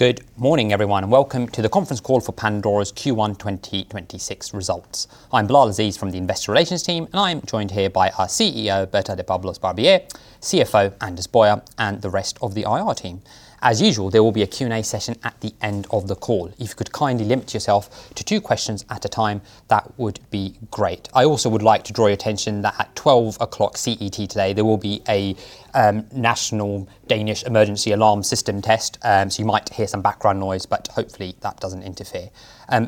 Good morning, everyone, and welcome to the Conference Call for Pandora's Q1 2026 Results. I'm Bilal Aziz from the investor relations team, and I am joined here by our CEO, Berta de Pablos-Barbier, CFO Anders Boyer, and the rest of the IR team. As usual, there will be a Q&A session at the end of the call. If you could kindly limit yourself to two questions at a time, that would be great. I also would like to draw your attention that at 12:00 P.M. CET today, there will be a national Danish emergency alarm system test. You might hear some background noise, but hopefully that doesn't interfere.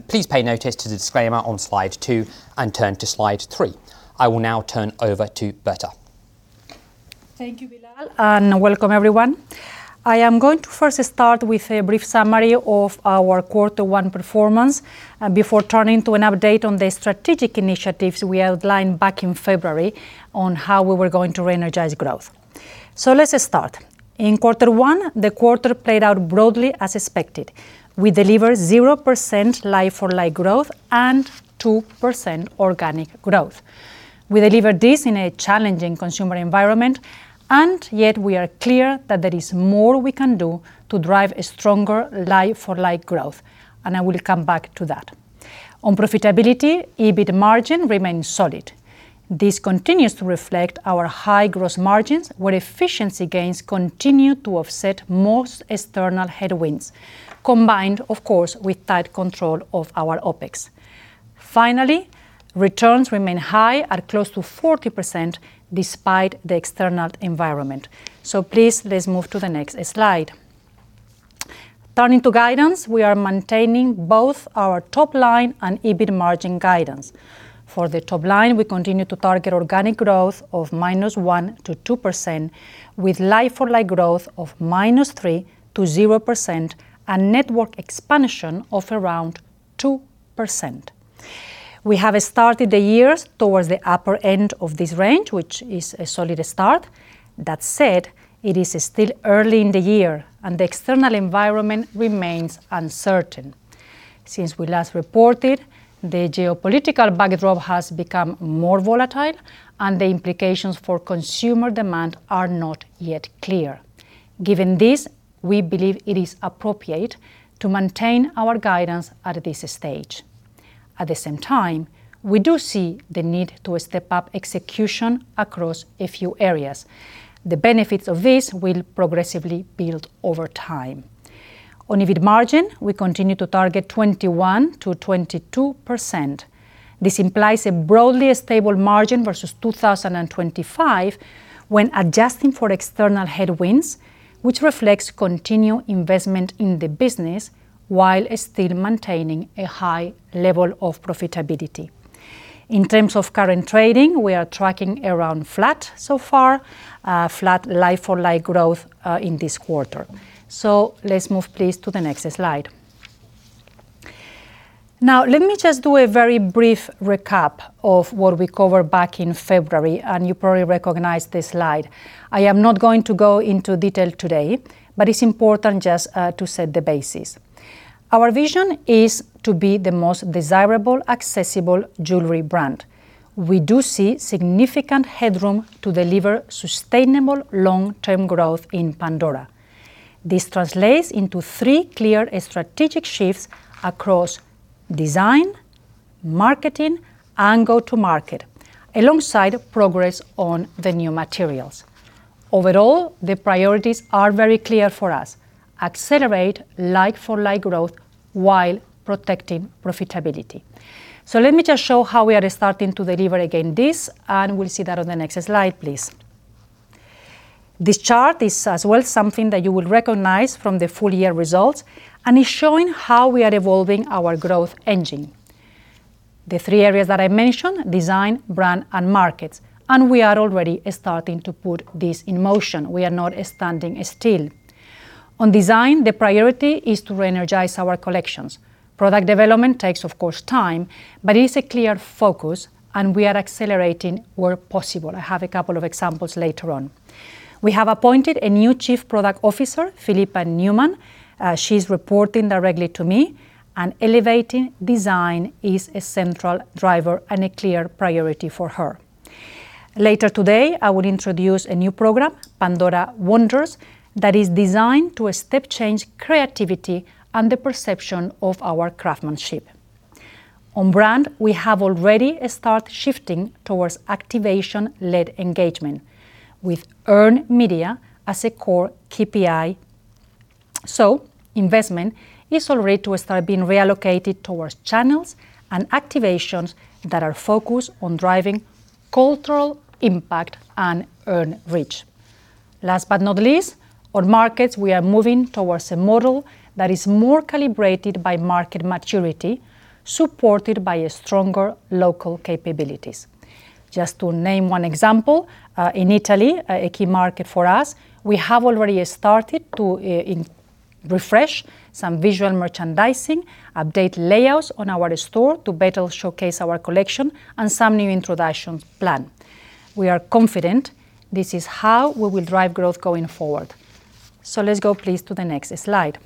Please pay notice to the disclaimer on slide two and turn to slide three. I will now turn over to Berta. Thank you, Bilal, and welcome everyone. I am going to first start with a brief summary of our Q1 performance, before turning to an update on the strategic initiatives we outlined back in February on how we were going to re-energize growth. Let us start. In Q1, the quarter played out broadly as expected. We delivered 0% like-for-like growth and 2% organic growth. We delivered this in a challenging consumer environment, yet we are clear that there is more we can do to drive a stronger like-for-like growth, and I will come back to that. On profitability, EBIT margin remains solid. This continues to reflect our high gross margins, where efficiency gains continue to offset most external headwinds, combined, of course, with tight control of our OpEx. Finally, returns remain high at close to 40% despite the external environment. Please, let's move to the next slide. Turning to guidance, we are maintaining both our top line and EBIT margin guidance. For the top line, we continue to target organic growth of -1%-2%, with like-for-like growth of -3%-0% and network expansion of around 2%. We have started the year towards the upper end of this range, which is a solid start. That said, it is still early in the year, and the external environment remains uncertain. Since we last reported, the geopolitical backdrop has become more volatile, and the implications for consumer demand are not yet clear. Given this, we believe it is appropriate to maintain our guidance at this stage. At the same time, we do see the need to step up execution across a few areas. The benefits of this will progressively build over time. On EBIT margin, we continue to target 21%-22%. This implies a broadly stable margin versus 2025 when adjusting for external headwinds, which reflects continued investment in the business while still maintaining a high level of profitability. In terms of current trading, we are tracking around flat so far, flat like-for-like growth in this quarter. Let's move, please, to the next slide. Let me just do a very brief recap of what we covered back in February, and you probably recognize this slide. I am not going to go into detail today, but it's important just to set the basis. Our vision is to be the most desirable, accessible jewelry brand. We do see significant headroom to deliver sustainable long-term growth in Pandora. This translates into three clear strategic shifts across design, marketing, and go-to-market, alongside progress on the new materials. Overall, the priorities are very clear for us. Accelerate like-for-like growth while protecting profitability. Let me just show how we are starting to deliver again this, and we'll see that on the next slide, please. This chart is as well something that you will recognize from the full year results and is showing how we are evolving our growth engine. The three areas that I mentioned, design, brand, and markets, and we are already starting to put this in motion. We are not standing still. On design, the priority is to re-energize our collections. Product development takes, of course, time, but it is a clear focus, and we are accelerating where possible. I have a couple of examples later on. We have appointed a new Chief Product Officer, Philippa Newman. She's reporting directly to me, and elevating design is a central driver and a clear priority for her. Later today, I will introduce a new program, Pandora Wonders, that is designed to step change creativity and the perception of our craftsmanship. On brand, we have already start shifting towards activation-led engagement with earned media as a core KPI. Investment is already to start being reallocated towards channels and activations that are focused on driving cultural impact and earned reach. Last but not least, on markets, we are moving towards a model that is more calibrated by market maturity, supported by stronger local capabilities. Just to name one example, in Italy, a key market for us, we have already started to refresh some visual merchandising, update layouts on our store to better showcase our collection and some new introduction plan. We are confident this is how we will drive growth going forward. Let's go please to the next slide.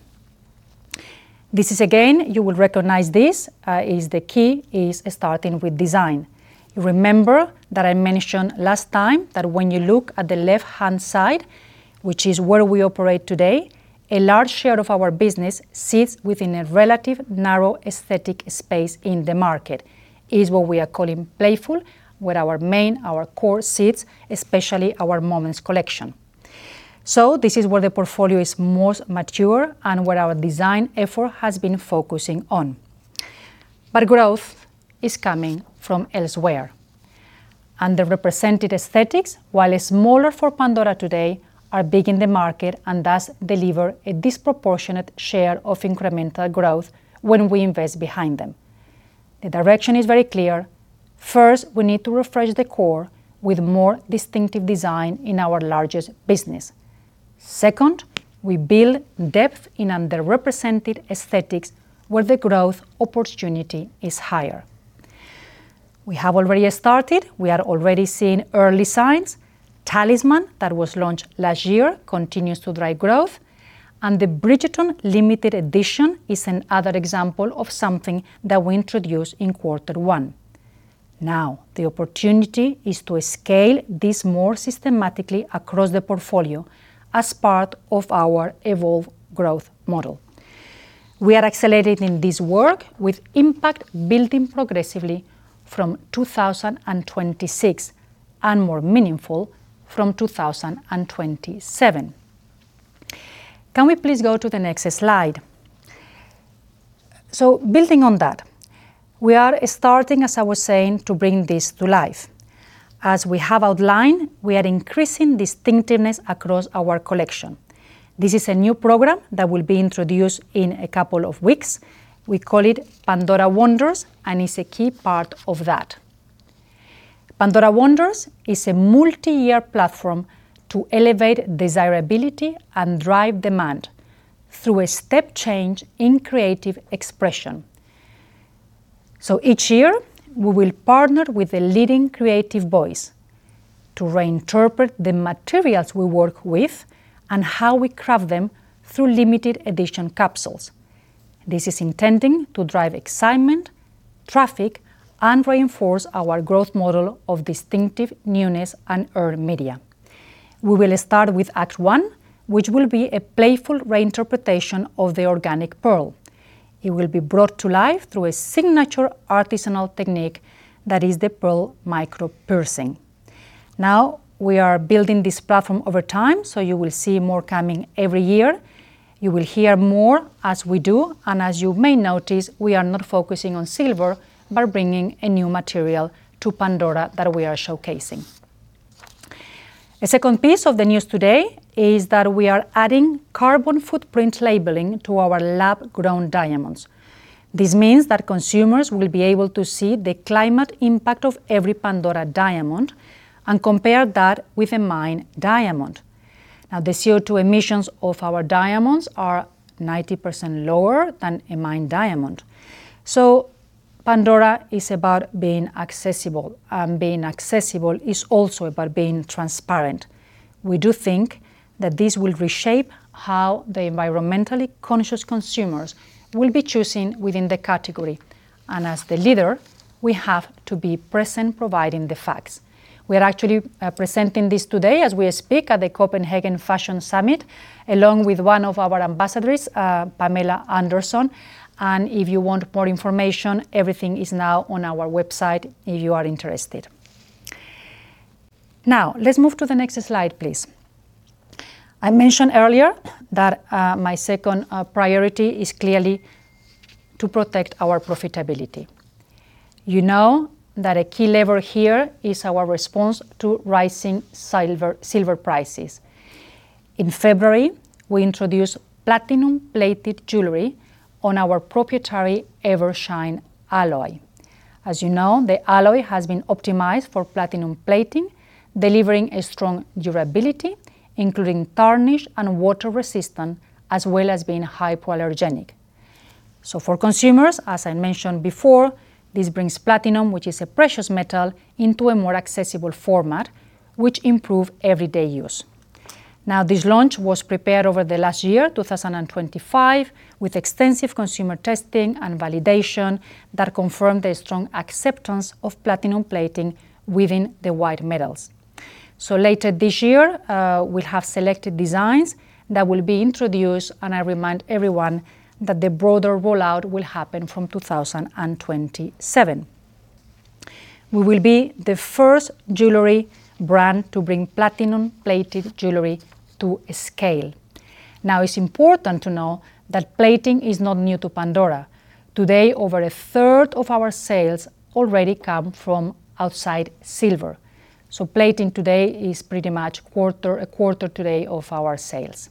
This is again, you will recognize this, is the key starting with design. Remember that I mentioned last time that when you look at the left-hand side, which is where we operate today, a large share of our business sits within a relative narrow aesthetic space in the market. Is what we are calling playful, where our main, our core sits, especially our Moments collection. This is where the portfolio is most mature and where our design effort has been focusing on. Growth is coming from elsewhere. Underrepresented aesthetics, while smaller for Pandora today, are big in the market and thus deliver a disproportionate share of incremental growth when we invest behind them. The direction is very clear. First, we need to refresh the core with more distinctive design in our largest business. Second, we build depth in underrepresented aesthetics where the growth opportunity is higher. We have already started. We are already seeing early signs. Talisman that was launched last year continues to drive growth, and the Bridgerton limited edition is another example of something that we introduced in quarter one. The opportunity is to scale this more systematically across the portfolio as part of our evolved growth model. We are accelerating this work with impact building progressively from 2026, and more meaningful from 2027. Can we please go to the next slide? Building on that, we are starting, as I was saying, to bring this to life. As we have outlined, we are increasing distinctiveness across our collection. This is a new program that will be introduced in a couple of weeks. We call it Pandora Wonders, and it's a key part of that. Pandora Wonders is a multi-year platform to elevate desirability and drive demand through a step change in creative expression. Each year, we will partner with a leading creative voice to reinterpret the materials we work with and how we craft them through limited edition capsules. This is intending to drive excitement, traffic, and reinforce our growth model of distinctive newness and earned media. We will start with act one, which will be a playful reinterpretation of the organic pearl. It will be brought to life through a signature artisanal technique that is the pearl micro-piercing. Now, we are building this platform over time, so you will see more coming every year. You will hear more as we do, and as you may notice, we are not focusing on silver, but bringing a new material to Pandora that we are showcasing. A second piece of the news today is that we are adding carbon footprint labeling to our lab-grown diamonds. This means that consumers will be able to see the climate impact of every Pandora diamond and compare that with a mined diamond. The CO2 emissions of our diamonds are 90% lower than a mined diamond. Pandora is about being accessible, and being accessible is also about being transparent. We do think that this will reshape how the environmentally conscious consumers will be choosing within the category. As the leader, we have to be present providing the facts. We are actually presenting this today as we speak at the Copenhagen Fashion Summit, along with one of our ambassadors, Pamela Anderson. If you want more information, everything is now on our website if you are interested. Let's move to the next slide, please. I mentioned earlier that my second priority is clearly to protect our profitability. You know that a key lever here is our response to rising silver prices. In February, we introduced platinum-plated jewelry on our proprietary Evershine alloy. As you know, the alloy has been optimized for platinum plating, delivering a strong durability, including tarnish and water resistant, as well as being hypoallergenic. For consumers, as I mentioned before, this brings platinum, which is a precious metal, into a more accessible format, which improve everyday use. This launch was prepared over the last year, 2025, with extensive consumer testing and validation that confirmed the strong acceptance of platinum plating within the white metals. Later this year, we have selected designs that will be introduced, and I remind everyone that the broader rollout will happen from 2027. We will be the first jewelry brand to bring platinum-plated jewelry to scale. It's important to know that plating is not new to Pandora. Today, over a third of our sales already come from outside silver. Plating today is pretty much a quarter today of our sales.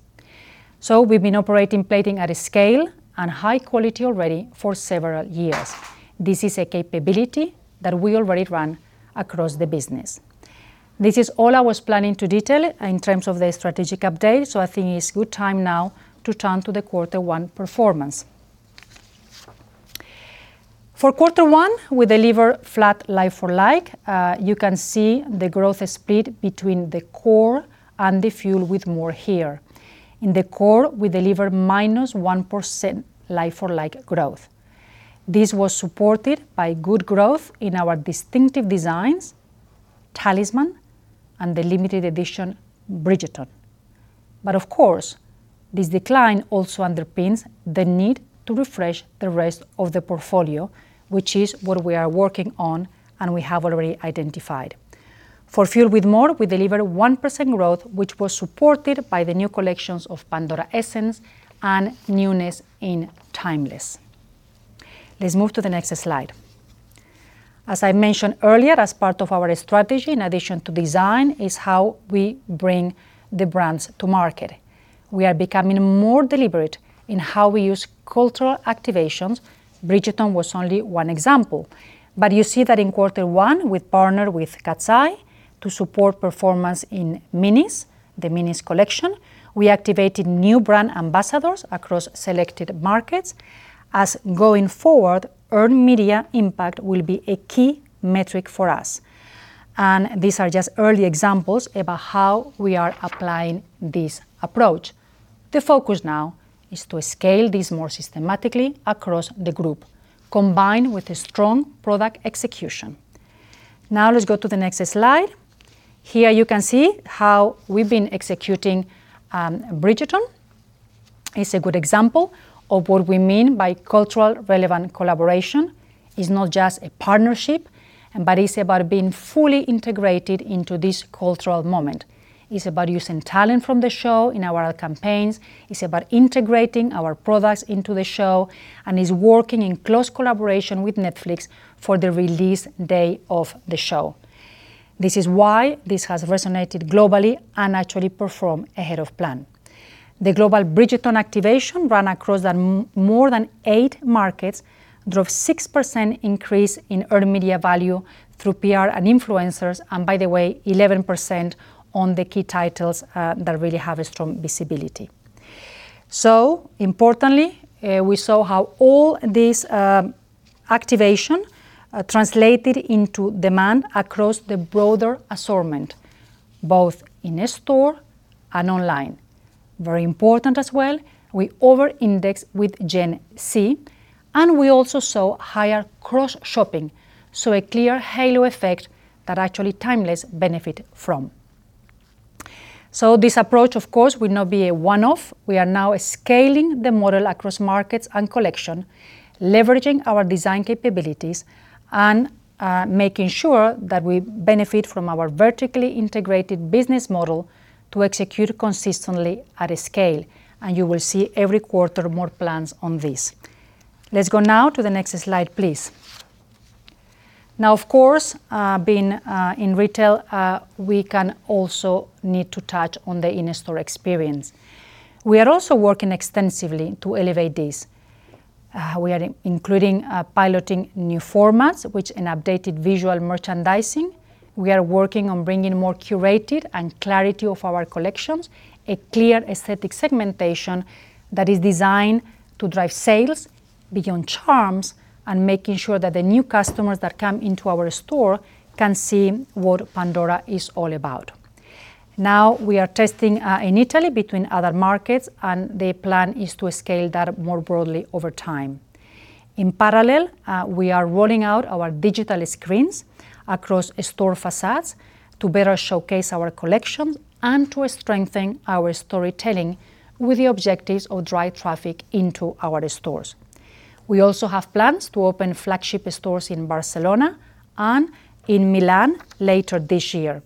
We've been operating plating at a scale and high quality already for several years. This is a capability that we already run across the business. This is all I was planning to detail in terms of the strategic update, I think it's good time now to turn to the quarter one performance. Quarter one, we deliver flat like-for-like. You can see the growth split between the core and the Fuel with More here. In the core, we deliver -1% like-for-like growth. This was supported by good growth in our distinctive designs, Talisman and the limited edition Bridgerton. Of course, this decline also underpins the need to refresh the rest of the portfolio, which is what we are working on and we have already identified. Fuel with More, we deliver 1% growth, which was supported by the new collections of Pandora Essence and newness in Timeless. Let's move to the next slide. As I mentioned earlier, as part of our strategy in addition to design, is how we bring the brands to market. We are becoming more deliberate in how we use cultural activations. Bridgerton was only one example. You see that in quarter one, we partner with Katseye to support performance in Minis, the Minis collection. We activated new brand ambassadors across selected markets as going forward, earned media value will be a key metric for us. These are just early examples about how we are applying this approach. The focus now is to scale this more systematically across the group, combined with a strong product execution. Now let's go to the next slide. Here you can see how we've been executing Bridgerton. It's a good example of what we mean by culturally relevant collaboration. It's not just a partnership, but it's about being fully integrated into this cultural moment. It's about using talent from the show in our campaigns. It's about integrating our products into the show, and it's working in close collaboration with Netflix for the release day of the show. This is why this has resonated globally and actually perform ahead of plan. The global Bridgerton activation run across more than eight markets, drove 6% increase in earned media value through PR and influencers, and by the way, 11% on the key titles that really have a strong visibility. Importantly, we saw how all this activation translated into demand across the broader assortment, both in store and online. Very important as well, we over-index with Gen Z, and we also saw higher cross-shopping, so a clear halo effect that actually Timeless benefit from. This approach, of course, will not be a one-off. We are now scaling the model across markets and collection, leveraging our design capabilities and making sure that we benefit from our vertically integrated business model to execute consistently at a scale. You will see every quarter more plans on this. Let's go now to the next slide, please. Of course, being in retail, we can also need to touch on the in-store experience. We are also working extensively to elevate this. We are including piloting new formats, with an updated visual merchandising. We are working on bringing more curated and clarity of our collections, a clear aesthetic segmentation that is designed to drive sales beyond charms and making sure that the new customers that come into our store can see what Pandora is all about. Now, we are testing in Italy between other markets, and the plan is to scale that more broadly over time. In parallel, we are rolling out our digital screens across store facades to better showcase our collection and to strengthen our storytelling with the objectives of drive traffic into our stores. We also have plans to open flagship stores in Barcelona and in Milan later this year.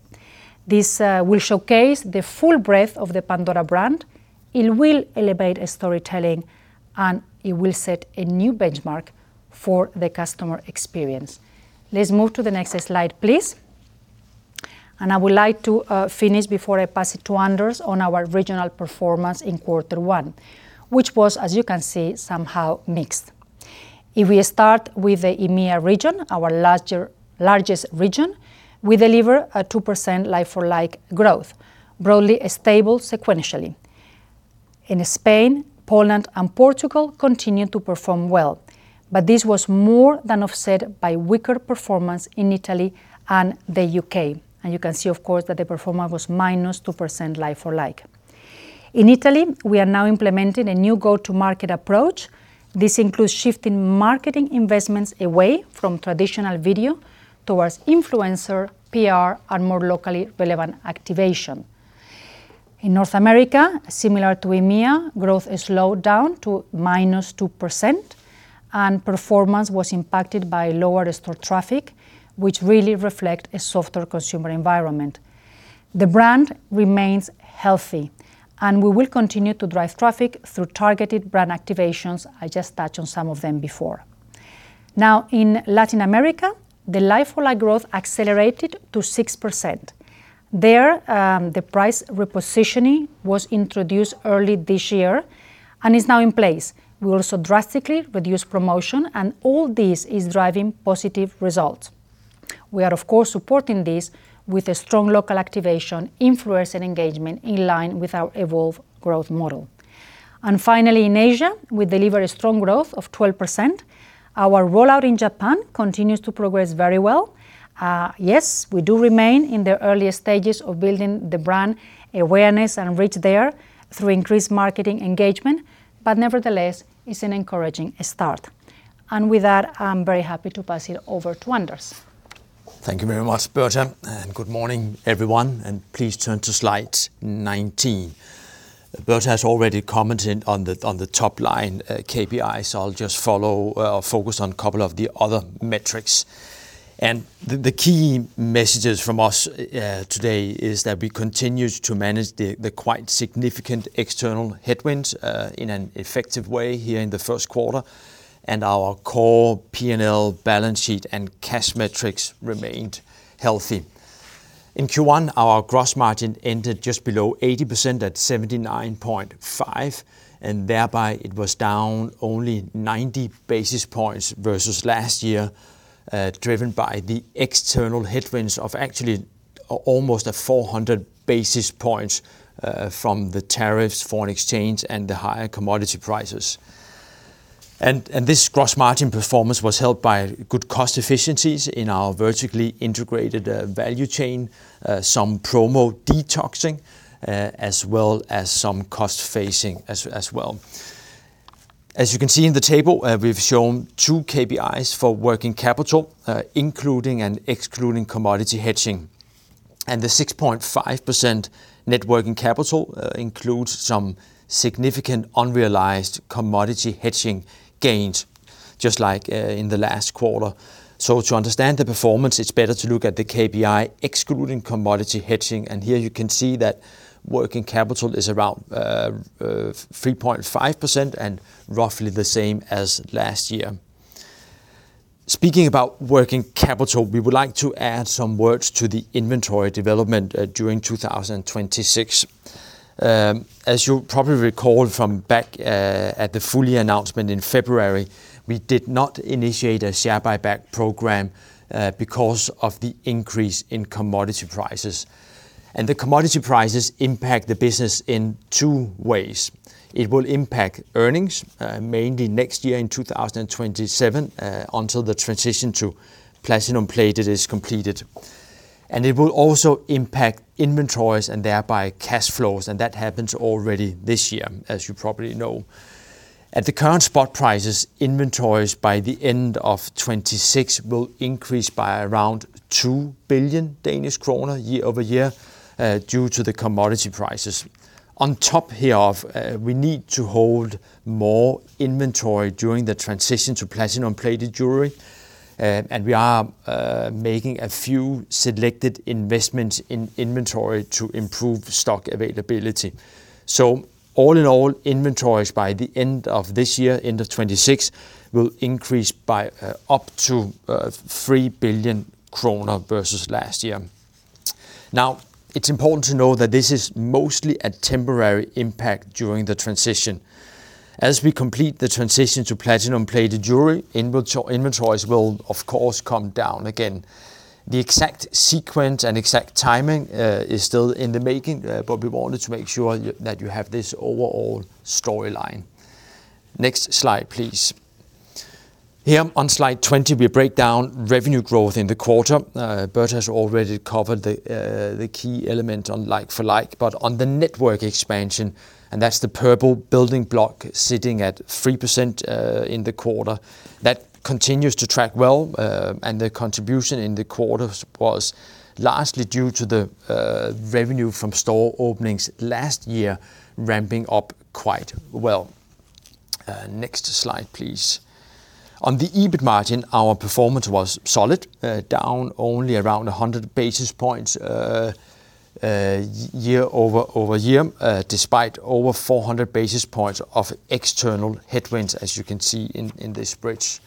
This will showcase the full breadth of the Pandora brand. It will elevate storytelling, and it will set a new benchmark for the customer experience. Let's move to the next slide, please. I would like to finish before I pass it to Anders on our regional performance in quarter one, which was, as you can see, somehow mixed. If we start with the EMEA region, our largest region, we deliver a 2% like-for-like growth, broadly stable sequentially. In Spain, Poland and Portugal continue to perform well. This was more than offset by weaker performance in Italy and the U.K. You can see, of course, that the performance was -2% like-for-like. In Italy, we are now implementing a new go-to-market approach. This includes shifting marketing investments away from traditional video towards influencer, PR, and more locally relevant activation. In North America, similar to EMEA, growth slowed down to -2%, and performance was impacted by lower store traffic, which really reflect a softer consumer environment. The brand remains healthy, and we will continue to drive traffic through targeted brand activations. I just touched on some of them before. Now, in Latin America, the like-for-like growth accelerated to 6%. There, the price repositioning was introduced early this year and is now in place. We also drastically reduced promotion, and all this is driving positive results. We are, of course, supporting this with a strong local activation, influence, and engagement in line with our evolved growth model. Finally, in Asia, we deliver a strong growth of 12%. Our rollout in Japan continues to progress very well. Yes, we do remain in the early stages of building the brand awareness and reach there through increased marketing engagement, but nevertheless, it's an encouraging start. With that, I'm very happy to pass it over to Anders. Thank you very much, Berta, good morning, everyone, please turn to slide 19. Berta has already commented on the top line KPI, I'll just follow or focus on a couple of other metrics. The key messages from us today is that we continue to manage the quite significant external headwinds in an effective way here in the first quarter, our core P&L balance sheet and cash metrics remained healthy. In Q1, our gross margin ended just below 80% at 79.5%, thereby it was down only 90 basis points versus last year, driven by the external headwinds of actually almost a 400 basis points from the tariffs, foreign exchange, and the higher commodity prices. This gross margin performance was helped by good cost efficiencies in our vertically integrated value chain, promo detoxing, as well as some cost phasing as well. As you can see in the table, we've shown two KPIs for working capital, including and excluding commodity hedging. The 6.5% net working capital includes some significant unrealized commodity hedging gains, just like in the last quarter. To understand the performance, it's better to look at the KPI excluding commodity hedging, and here you can see that working capital is around 3.5% and roughly the same as last year. Speaking about working capital, we would like to add some words to the inventory development during 2026. As you probably recall from back at the full year announcement in February, we did not initiate a share buyback program because of the increase in commodity prices. The commodity prices impact the business in two ways. It will impact earnings, mainly next year in 2027, until the transition to platinum-plated is completed. It will also impact inventories and thereby cash flows, and that happens already this year, as you probably know. At the current spot prices, inventories by the end of 2026 will increase by around 2 billion Danish kroner year-over-year due to the commodity prices. On top hereof, we need to hold more inventory during the transition to platinum-plated jewelry, and we are making a few selected investments in inventory to improve stock availability. All in all, inventories by the end of this year, end of 2026, will increase by up to 3 billion kroner versus last year. Now, it's important to note that this is mostly a temporary impact during the transition. As we complete the transition to platinum-plated jewelry, inventories will of course come down again. The exact sequence and exact timing is still in the making, we wanted to make sure that you have this overall storyline. Next slide, please. Here on slide 20, we break down revenue growth in the quarter. Berta has already covered the key element on like-for-like, but on the network expansion, and that's the purple building block sitting at 3% in the quarter, that continues to track well, and the contribution in the quarter was largely due to the revenue from store openings last year ramping up quite well. Next slide, please. On the EBIT margin, our performance was solid, down only around 100 basis points year over year, despite over 400 basis points of external headwinds, as you can see in this bridge.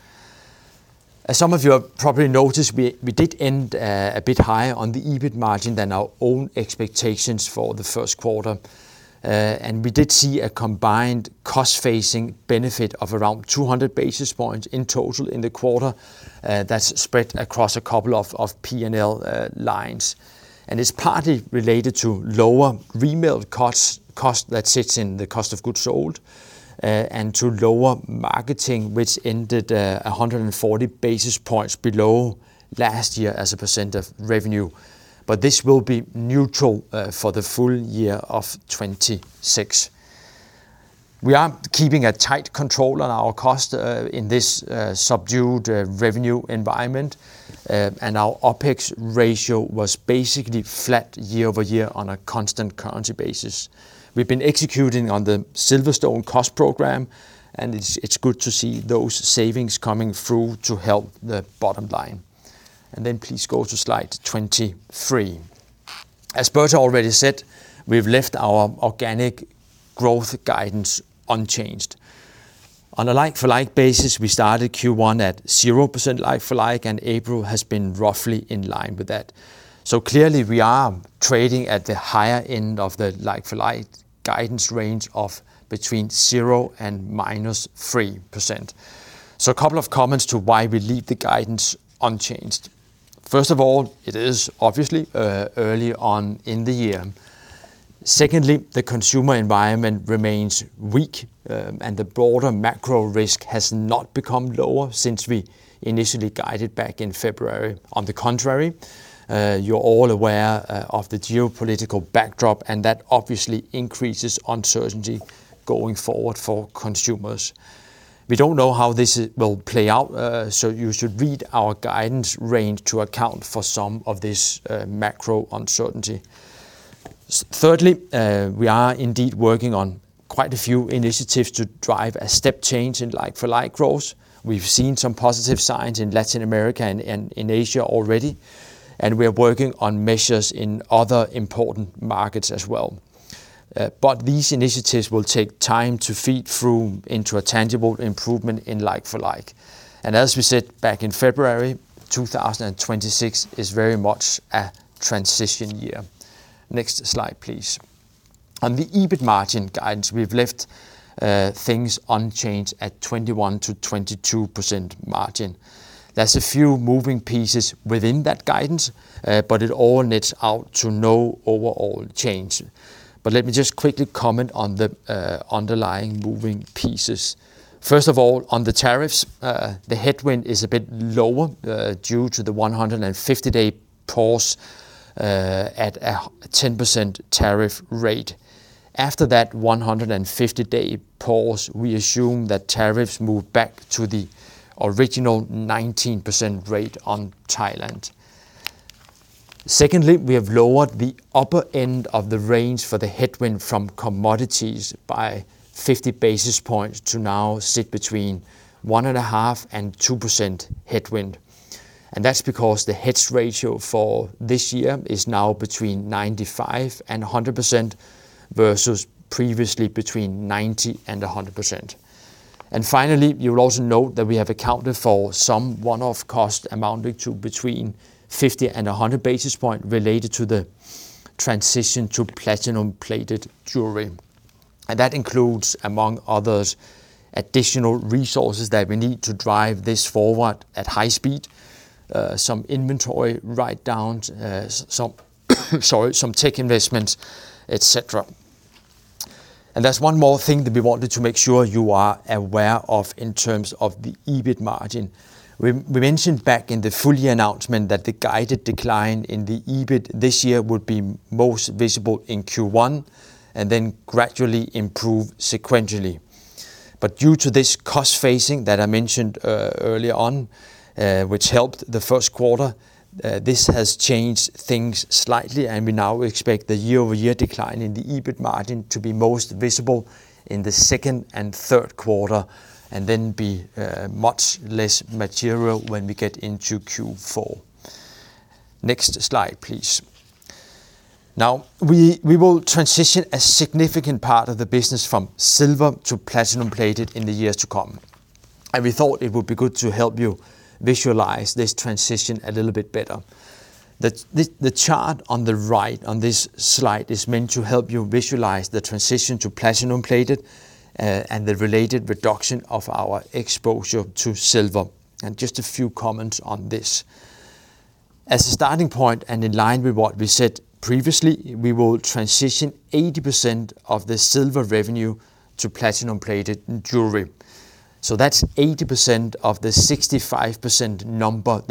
As some of you have probably noticed, we did end a bit higher on the EBIT margin than our own expectations for the first quarter. We did see a combined cost phasing benefit of around 200 basis points in total in the quarter, that's spread across a couple of P&L lines. It's partly related to lower retail costs, cost that sits in the cost of goods sold, and to lower marketing, which ended 140 basis points below last year as a percent of revenue. This will be neutral for the full year of 2026. We are keeping a tight control on our cost in this subdued revenue environment, our OpEx ratio was basically flat year-over-year on a constant currency basis. We've been executing on the Silverstone cost program, it's good to see those savings coming through to help the bottom line. Please go to slide 23. As Berta already said, we've left our organic growth guidance unchanged. On a like-for-like basis, we started Q1 at 0% like-for-like. April has been roughly in line with that. Clearly we are trading at the higher end of the like-for-like guidance range of between 0% and -3%. A couple of comments to why we leave the guidance unchanged. First of all, it is obviously early on in the year. Secondly, the consumer environment remains weak. The broader macro risk has not become lower since we initially guided back in February. On the contrary, you're all aware of the geopolitical backdrop. That obviously increases uncertainty going forward for consumers. We don't know how this will play out. You should read our guidance range to account for some of this macro uncertainty. Thirdly, we are indeed working on quite a few initiatives to drive a step change in like-for-like growth. We've seen some positive signs in Latin America and in Asia already, and we are working on measures in other important markets as well. But these initiatives will take time to feed through into a tangible improvement in like-for-like. As we said back in February 2026 is very much a transition year. Next slide, please. On the EBIT margin guidance, we've left things unchanged at 21%-22% margin. There's a few moving pieces within that guidance, but it all nets out to no overall change. Let me just quickly comment on the underlying moving pieces. First of all, on the tariffs, the headwind is a bit lower due to the 150-day pause at a 10% tariff rate. After that 150-day pause, we assume that tariffs move back to the original 19% rate on Thailand. Secondly, we have lowered the upper end of the range for the headwind from commodities by 50 basis points to now sit between one and a half and 2% headwind. That's because the hedge ratio for this year is now between 95% and 100% versus previously between 90% and 100%. Finally, you will also note that we have accounted for some one-off cost amounting to between 50 and 100 basis points related to the transition to platinum-plated jewelry. That includes, among others, additional resources that we need to drive this forward at high speed, some inventory write-downs, some tech investments, et cetera. There's one more thing that we wanted to make sure you are aware of in terms of the EBIT margin. We mentioned back in the full year announcement that the guided decline in the EBIT this year would be most visible in Q1, and then gradually improve sequentially. Due to this cost phasing that I mentioned earlier on, which helped the first quarter, this has changed things slightly, and we now expect the year-over-year decline in the EBIT margin to be most visible in the second and third quarter, and then be much less material when we get into Q4. Next slide, please. We will transition a significant part of the business from silver to platinum-plated in the years to come, and we thought it would be good to help you visualize this transition a little bit better. The chart on the right on this slide is meant to help you visualize the transition to platinum-plated and the related reduction of our exposure to silver. Just a few comments on this. As a starting point and in line with what we said previously, we will transition 80% of the silver revenue to platinum-plated jewelry. That's 80% of the 65% number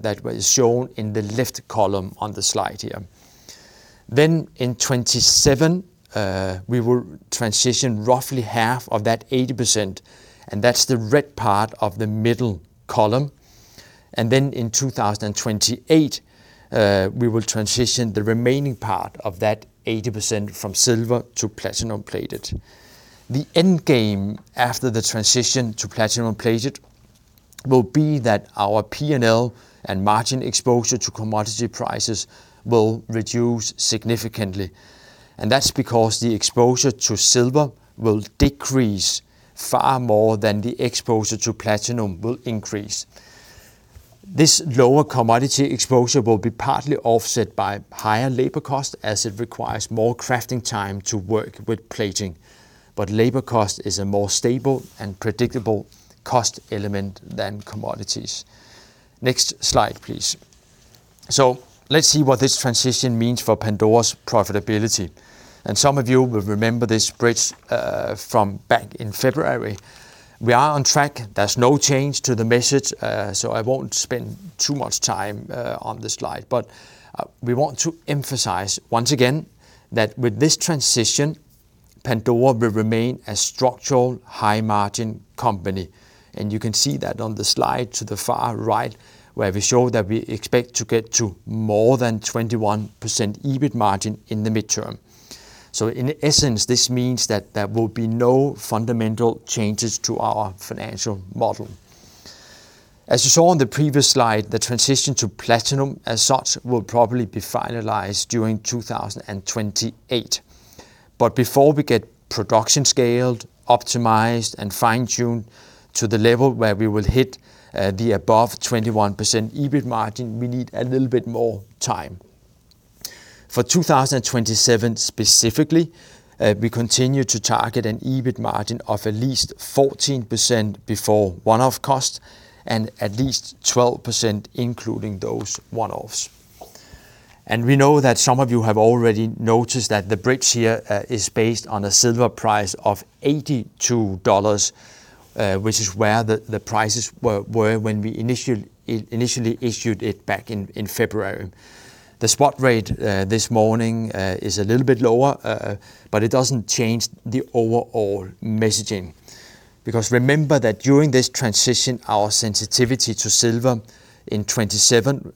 that was shown in the left column on the slide here. In 2027, we will transition roughly half of that 80%, and that's the red part of the middle column. In 2028, we will transition the remaining part of that 80% from silver to platinum-plated. The end game after the transition to platinum-plated will be that our P&L and margin exposure to commodity prices will reduce significantly, and that's because the exposure to silver will decrease far more than the exposure to platinum will increase. This lower commodity exposure will be partly offset by higher labor cost, as it requires more crafting time to work with plating. Labor cost is a more stable and predictable cost element than commodities. Next slide, please. Let's see what this transition means for Pandora's profitability. Some of you will remember this bridge from back in February. We are on track. There's no change to the message, I won't spend too much time on this slide. We want to emphasize once again that with this transition, Pandora will remain a structural high-margin company. You can see that on the slide to the far right, where we show that we expect to get to more than 21% EBIT margin in the midterm. In essence, this means that there will be no fundamental changes to our financial model. As you saw on the previous slide, the transition to platinum as such will probably be finalized during 2028. Before we get production scaled, optimized, and fine-tuned to the level where we will hit the above 21% EBIT margin, we need a little bit more time. For 2027 specifically, we continue to target an EBIT margin of at least 14% before one-off costs and at least 12% including those one-offs. We know that some of you have already noticed that the bridge here is based on a silver price of $82, which is where the prices were when we initially issued it back in February. The spot rate this morning is a little bit lower, but it doesn't change the overall messaging. Remember that during this transition, our sensitivity to silver in 2027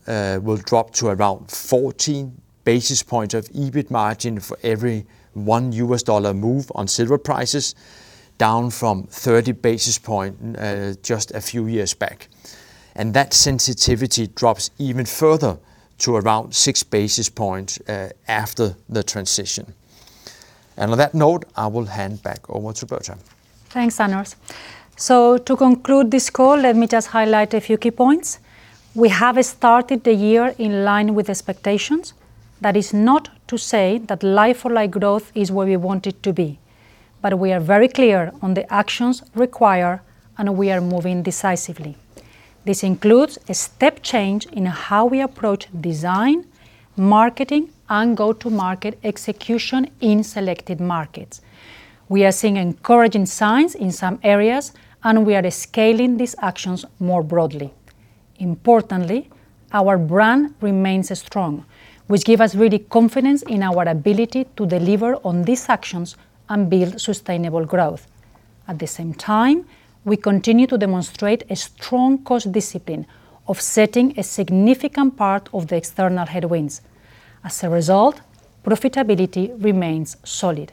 will drop to around 14 basis points of EBIT margin for every $1 U.S. dollar move on silver prices, down from 30 basis points just a few years back. That sensitivity drops even further to around 6 basis points after the transition. On that note, I will hand back over to Berta. Thanks, Anders. To conclude this call, let me just highlight a few key points. We have started the year in line with expectations. That is not to say that like-for-like growth is where we want it to be, but we are very clear on the actions required, and we are moving decisively. This includes a step change in how we approach design, marketing, and go-to-market execution in selected markets. We are seeing encouraging signs in some areas, and we are scaling these actions more broadly. Importantly, our brand remains strong, which give us really confidence in our ability to deliver on these actions and build sustainable growth. At the same time, we continue to demonstrate a strong cost discipline offsetting a significant part of the external headwinds. As a result, profitability remains solid.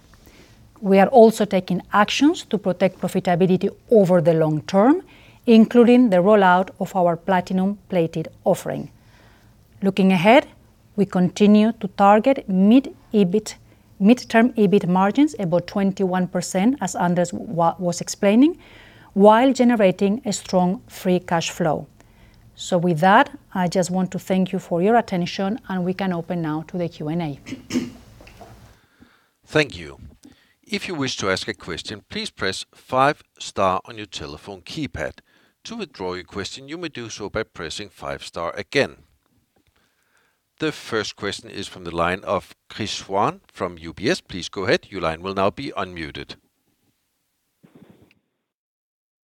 We are also taking actions to protect profitability over the long term, including the rollout of our platinum-plated offering. Looking ahead, we continue to target mid-term EBIT margins about 21%, as Anders was explaining, while generating a strong free cash flow. With that, I just want to thank you for your attention, and we can open now to the Q&A. Thank you. If you wish to ask a question, please press five star on your telephone keypad. To withdraw your question, you may do so by pressing five star again. The first question is from the line of Chris Huang from UBS. Please go ahead. Your line will now be unmuted.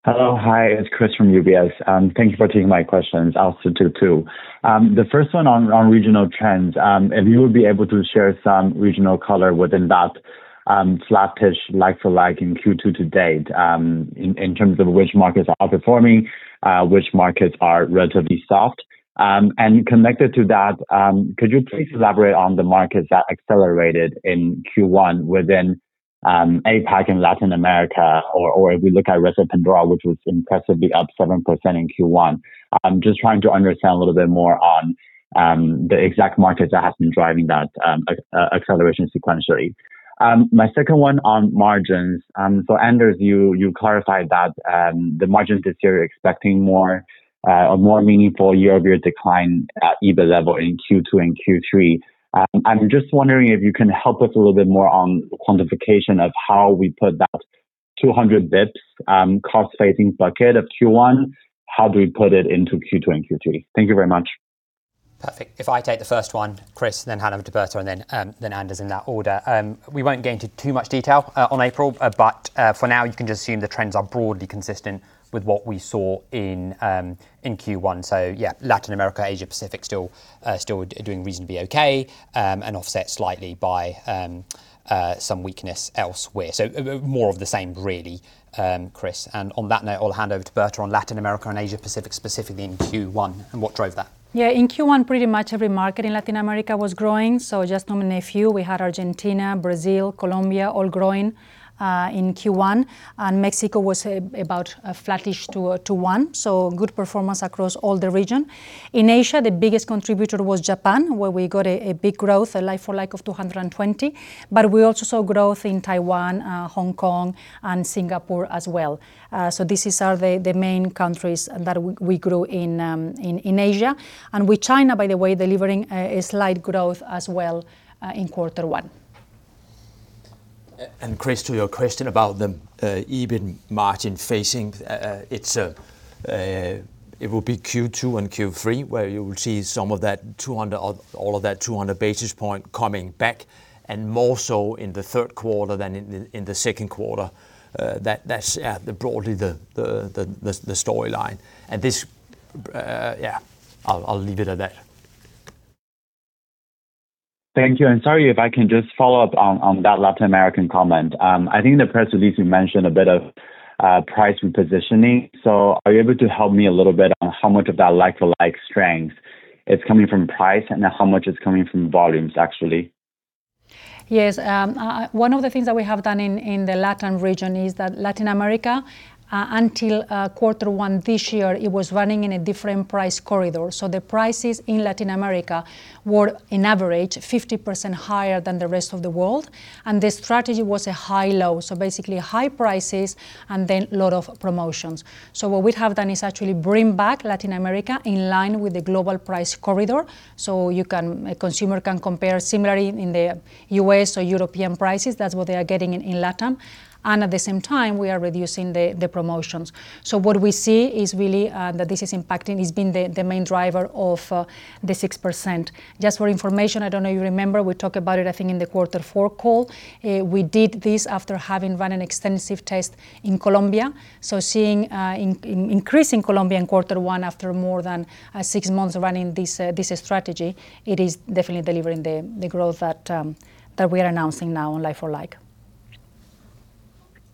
Hello. Hi, it's Chris from UBS. Thank you for taking my questions. I'll ask two, too. The first one on regional trends. If you would be able to share some regional color within that flattish like-for-like in Q2 to date, in terms of which markets are outperforming, which markets are relatively soft? Connected to that, could you please elaborate on the markets that accelerated in Q1 within APAC and Latin America, or if we look at Rest of Pandora, which was impressively up 7% in Q1? I'm just trying to understand a little bit more on the exact markets that have been driving that acceleration sequentially. My second one on margins. Anders, you clarified that the margins this year, you're expecting a more meaningful year-over-year decline at EBIT level in Q2 and Q3. I'm just wondering if you can help us a little bit more on quantification of how we put that 200 basis points cost-saving bucket of Q1, how do we put it into Q2 and Q3? Thank you very much. Perfect. If I take the first one, Chris, then hand over to Berta and then Anders in that order. We won't get into too much detail on April, but for now, you can just assume the trends are broadly consistent with what we saw in Q1. Yeah, Latin America, Asia-Pacific still doing reasonably okay, and offset slightly by some weakness elsewhere. More of the same really, Chris. On that note, I'll hand over to Berta on Latin America and Asia-Pacific specifically in Q1 and what drove that. In Q1, pretty much every market in Latin America was growing. Just to name a few, we had Argentina, Brazil, Colombia all growing in Q1. Mexico was about a flattish to 1%, so good performance across all the region. In Asia, the biggest contributor was Japan, where we got a big growth, a like-for-like of 220%. We also saw growth in Taiwan, Hong Kong, and Singapore as well. This is the main countries that we grew in Asia. With China, by the way, delivering a slight growth as well in quarter one. Chris, to your question about the EBIT margin facing, it's, it will be Q2 and Q3 where you will see some of that 200 or all of that 200 basis point coming back and more so in the third quarter than in the second quarter. That's the broadly the storyline. At this, yeah, I'll leave it at that. Thank you. Sorry if I can just follow up on that Latin American comment. I think the press release you mentioned a bit of price and positioning. Are you able to help me a little bit on how much of that like-for-like strength is coming from price and how much is coming from volumes, actually? Yes, one of the things that we have done in the LatAm region is that Latin America, until Q1 this year, it was running in a different price corridor. The prices in Latin America were in average 50% higher than the rest of the world, and the strategy was a high low, so basically high prices and then lot of promotions. What we have done is actually bring back Latin America in line with the global price corridor, so a consumer can compare similarly in the U.S. or European prices. That's what they are getting in LatAm. And at the same time, we are reducing the promotions. What we see is really that this is impacting, it's been the main driver of the 6%. Just for information, I don't know you remember, we talked about it I think in the Q4 call. We did this after having run an extensive test in Colombia. Seeing, in increase in Colombia in Q1 after more than six months running this strategy, it is definitely delivering the growth that we are announcing now on like-for-like.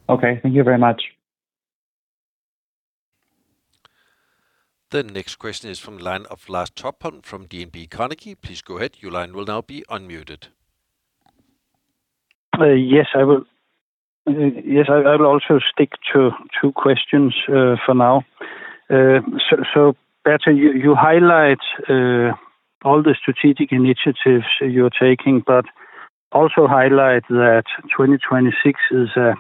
Okay. Thank you very much. The next question is from the line of Lars Topholm from DNB Carnegie. Please go ahead. Yes, I will, yes, I will also stick to two questions for now. So, so Berta you highlight all the strategic initiatives you're taking, but also highlight that 2026 is a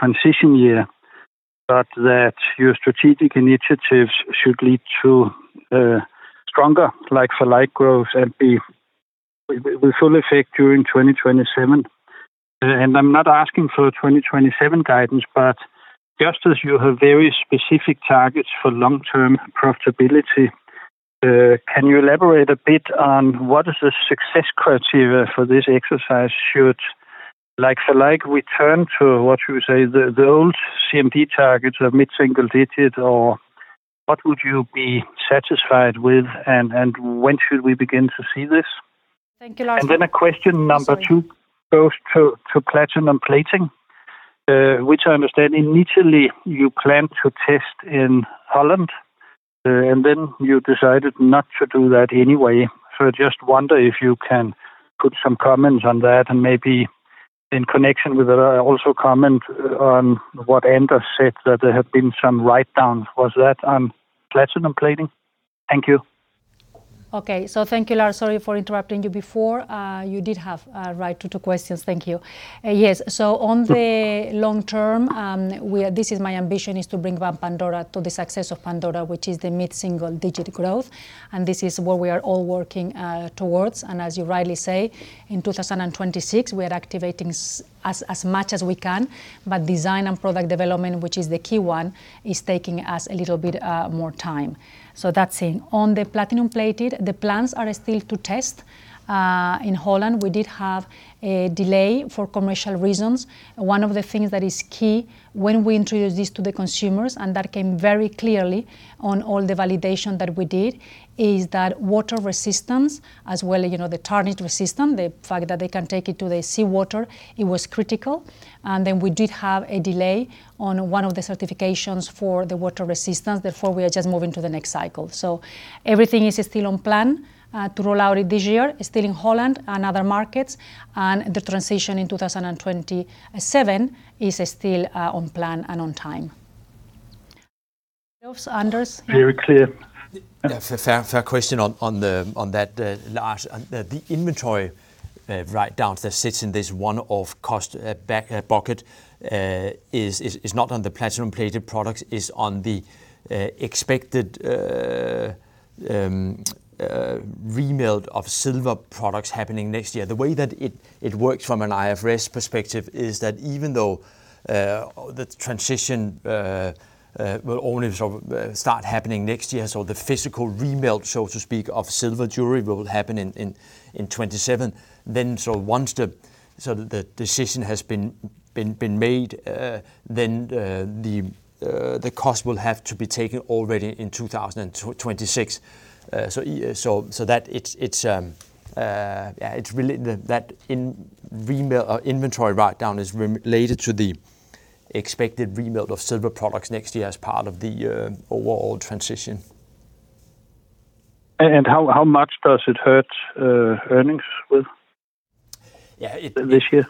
transition year, but that your strategic initiatives should lead to stronger like-for-like growth and be with full effect during 2027. And I'm not asking for 2027 guidance, but just as you have very specific targets for long-term profitability, can you elaborate a bit on what is the success criteria for this exercise should like-for-like return to, what you say, the old CMD targets of mid-single digit or what would you be satisfied with and when should we begin to see this? Thank you, Lars. A question number two goes to platinum plating, which I understand initially you planned to test in Holland, you decided not to do that anyway. I just wonder if you can put some comments on that, and maybe in connection with that, also comment on what Anders said, that there have been some writedowns. Was that on platinum plating? Thank you. Thank you, Lars. Sorry for interrupting you before. You did have right to two questions. Thank you. Yes. On the long term, this is my ambition, is to bring back Pandora to the success of Pandora, which is the mid-single digit growth, and this is what we are all working towards. As you rightly say, in 2026 we are activating as much as we can. Design and product development, which is the key one, is taking us a little bit more time. That's it. On the platinum plated, the plans are still to test in Holland. We did have a delay for commercial reasons. One of the things that is key when we introduce this to the consumers, and that came very clearly on all the validation that we did, is that water resistance as well, you know, the tarnish resistance, the fact that they can take it to the seawater, it was critical. We did have a delay on one of the certifications for the water resistance, therefore we are just moving to the next cycle. Everything is still on plan to roll out it this year, still in Holland and other markets, and the transition in 2027 is still on plan and on time. Anders? Very clear. Yeah. Fair, fair question on the, on that, Lars. The inventory write-down that sits in this one-off cost back bucket is not on the platinum plated products. It's on the expected remelt of silver products happening next year. The way that it works from an IFRS perspective is that even though the transition will only sort of start happening next year, so the physical remelt, so to speak, of silver jewelry will happen in 2027. Once the decision has been made, the cost will have to be taken already in 2026. That, yeah, that in remelt or inventory write-down is related to the expected remelt of silver products next year as part of the overall transition. How much does it hurt earnings? Yeah, this year?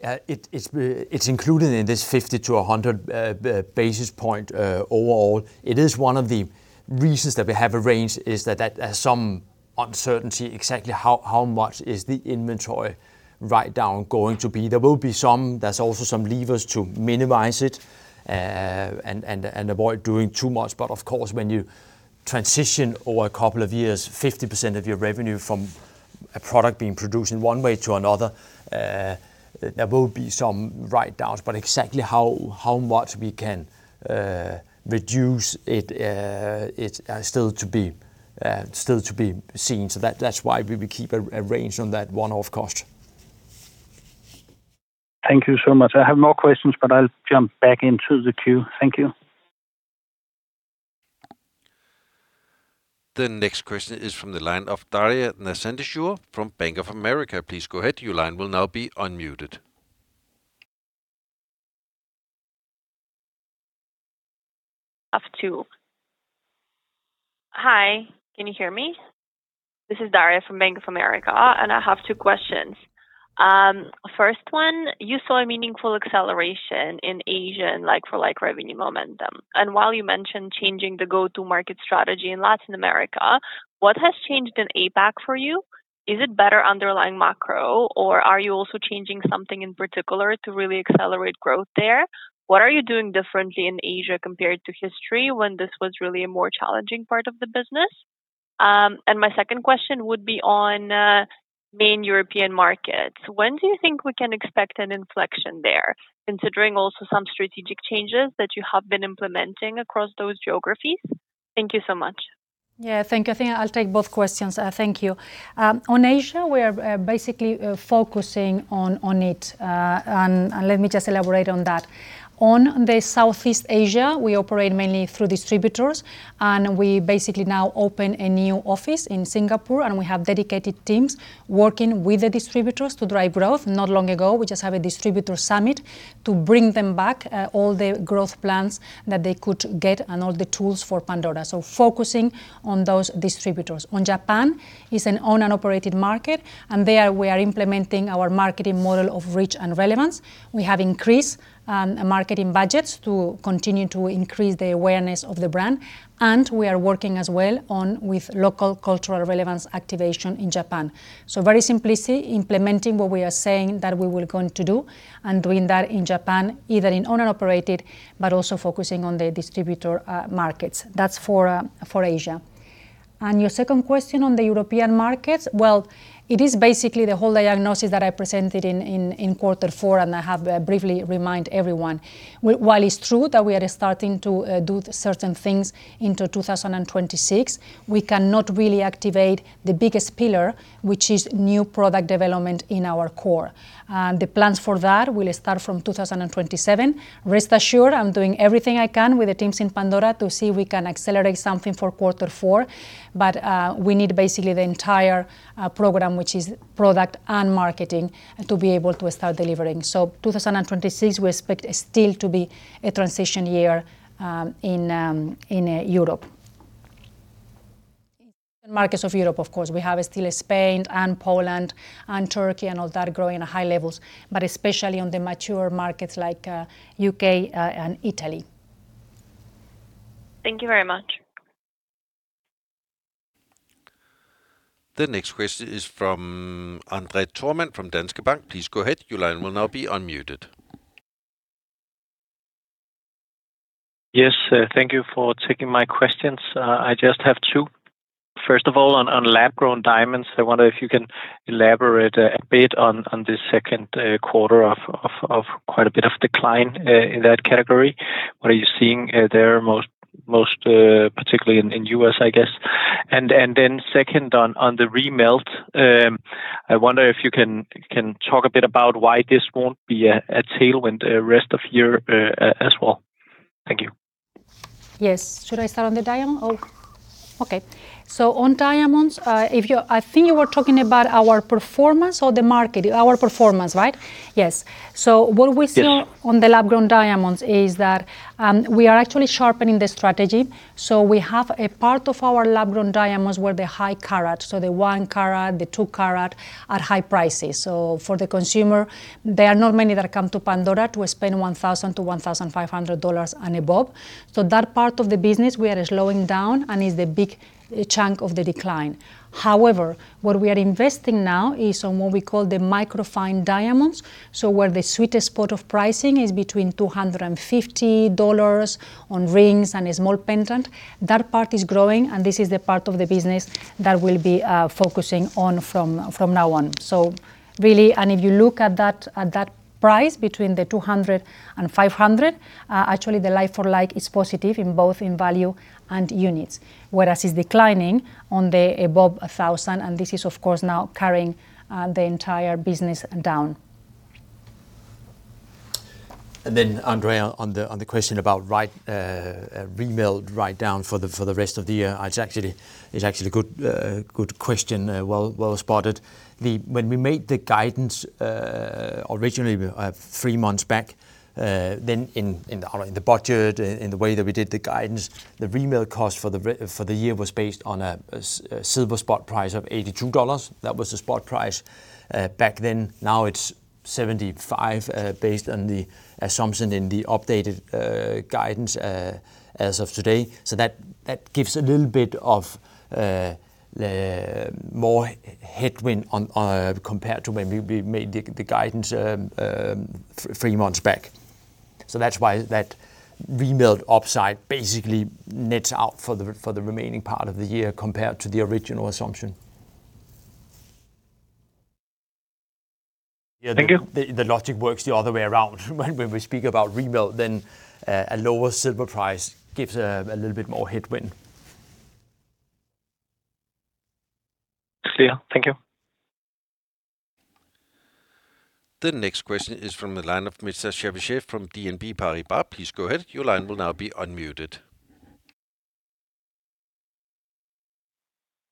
Yeah. It's included in this 50 to 100 basis point overall. It is one of the reasons that we have a range, is that there's some uncertainty exactly how much is the inventory write-down going to be. There will be some. There's also some levers to minimize it and avoid doing too much. Of course, when you transition over a couple of years 50% of your revenue from a product being produced in one way to another, there will be some write-downs. Exactly how much we can reduce it's still to be seen. That's why we keep a range on that one-off cost. Thank you so much. I have more questions, but I'll jump back into the queue. Thank you. The next question is from the line of Daria Nasledysheva from Bank of America. Please go ahead. Hi, can you hear me? This is Daria from Bank of America, and I have two questions. First one, you saw a meaningful acceleration in Asia and like-for-like revenue momentum. While you mentioned changing the go-to-market strategy in Latin America, what has changed in APAC for you? Is it better underlying macro, or are you also changing something in particular to really accelerate growth there? What are you doing differently in Asia compared to history when this was really a more challenging part of the business? My second question would be on main European markets. When do you think we can expect an inflection there, considering also some strategic changes that you have been implementing across those geographies? Thank you so much. Yeah. Thank you. I think I'll take both questions. Thank you. On Asia, we are basically focusing on it. Let me just elaborate on that. On the Southeast Asia, we operate mainly through distributors, we basically now open a new office in Singapore, and we have dedicated teams working with the distributors to drive growth. Not long ago, we just had a distributor summit to bring them back all the growth plans that they could get and all the tools for Pandora. Focusing on those distributors. On Japan is an owned and operated market, there we are implementing our marketing model of reach and relevance. We have increased marketing budgets to continue to increase the awareness of the brand, we are working as well on with local cultural relevance activation in Japan. Very simply see implementing what we are saying that we were going to do and doing that in Japan, either in owner operated, but also focusing on the distributor markets. That's for Asia. Your second question on the European markets, well, it is basically the whole diagnosis that I presented in Q4, and I have briefly remind everyone. While it's true that we are starting to do certain things into 2026, we cannot really activate the biggest pillar, which is new product development in our core. The plans for that will start from 2027. Rest assured, I'm doing everything I can with the teams in Pandora to see if we can accelerate something for Q4. We need basically the entire program, which is product and marketing, to be able to start delivering. 2026, we expect still to be a transition year in Europe. Markets of Europe, of course, we have still Spain and Poland and Turkey and all that growing at high levels, but especially on the mature markets like U.K. and Italy. Thank you very much. The next question is from André Thormann from Danske Bank. Please go ahead. Yes, thank you for taking my questions. I just have two. First of all, on lab-grown diamonds, I wonder if you can elaborate a bit on the second quarter of quite a bit of decline in that category. What are you seeing there most particularly in U.S., I guess? Second on the remelt, I wonder if you can talk a bit about why this won't be a tailwind the rest of year as well. Thank you. Yes. Should I start on the diamond or Okay. On diamonds, I think you were talking about our performance or the market? Our performance, right? Yes. What we see- Yeah on the lab-grown diamonds is that, we are actually sharpening the strategy. We have a part of our lab-grown diamonds where the high carat, the one carat, the two carat are high prices. For the consumer, there are not many that come to Pandora to spend $1,000-$1,500 and above. That part of the business we are slowing down and is the big chunk of the decline. However, what we are investing now is on what we call the micro-fine diamonds. Where the sweetest spot of pricing is between $250 on rings and a small pendant. That part is growing, and this is the part of the business that we'll be focusing on from now on. Really, if you look at that, at that price, between 200 and 500, actually the like-for-like is positive in both in value and units, whereas it's declining on the above 1,000. This is of course now carrying the entire business down. André, on the question about right, remelt write down for the rest of the year, it's actually a good question. Well spotted. When we made the guidance originally, three months back, then in the budget, in the way that we did the guidance, the remelt cost for the year was based on a silver spot price of $82. That was the spot price back then. Now it's $75 based on the assumption in the updated guidance as of today. That gives a little bit of more headwind compared to when we made the guidance three months back. That's why that remelt upside basically nets out for the, for the remaining part of the year compared to the original assumption. Thank you. The logic works the other way around when we speak about remelt, then a lower silver price gives a little bit more headwind. Clear. Thank you. The next question is from the line of Mr. Charchafji from BNP Paribas.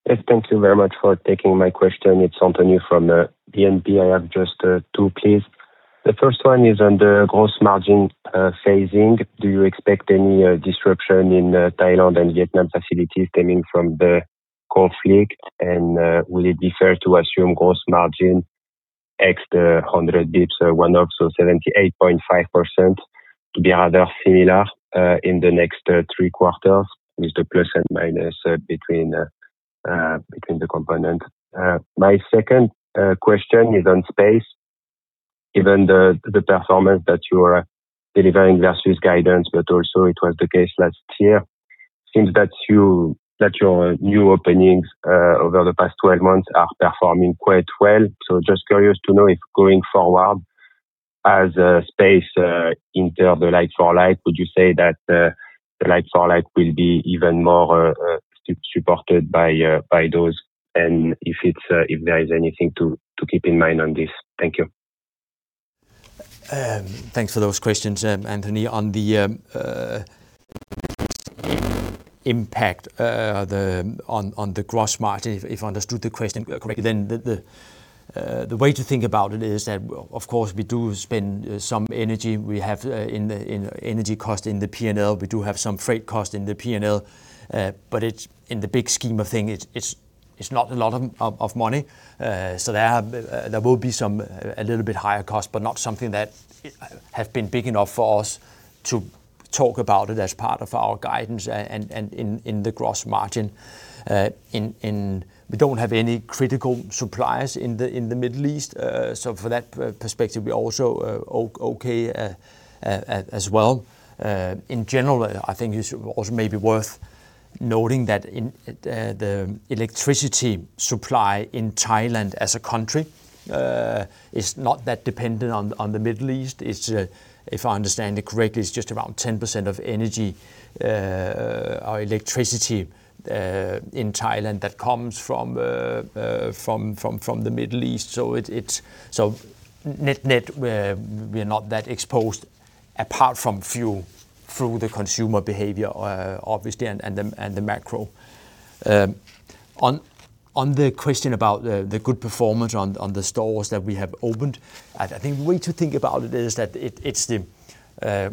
Yes, thank you very much for taking my question. It's Anthony from BNP. I have just two, please. The first one is under gross margin phasing. Do you expect any disruption in Thailand and Vietnam facilities stemming from the conflict? Will it be fair to assume gross margin ex the 100 basis points one-off, so 78.5% to be rather similar in the next three quarters with the plus and minus between the components? My second question is on space. Given the performance that you are delivering versus guidance, but also it was the case last year, seems that your new openings over the past 12 months are performing quite well. Just curious to know if going forward as a space, in terms of like-for-like, would you say that the like-for-like will be even more supported by those? If it's if there is anything to keep in mind on this. Thank you. Thanks for those questions, Anthony. On the impact on the gross margin, if I understood the question correctly, then the way to think about it is that, of course, we do spend some energy. We have energy cost in the P&L. We do have some freight cost in the P&L. It's in the big scheme of things, it's not a lot of money. There will be some a little bit higher cost, but not something that have been big enough for us to talk about it as part of our guidance and in the gross margin. We don't have any critical suppliers in the Middle East. From that perspective, we're also okay as well. In general, I think it's also maybe worth noting that in the electricity supply in Thailand as a country, is not that dependent on the Middle East. It's, if I understand it correctly, it's just around 10% of energy or electricity in Thailand that comes from the Middle East. Net-net, we're not that exposed apart from fuel through the consumer behavior, obviously, and the macro. On the question about the good performance on the stores that we have opened, I think the way to think about it is that it's the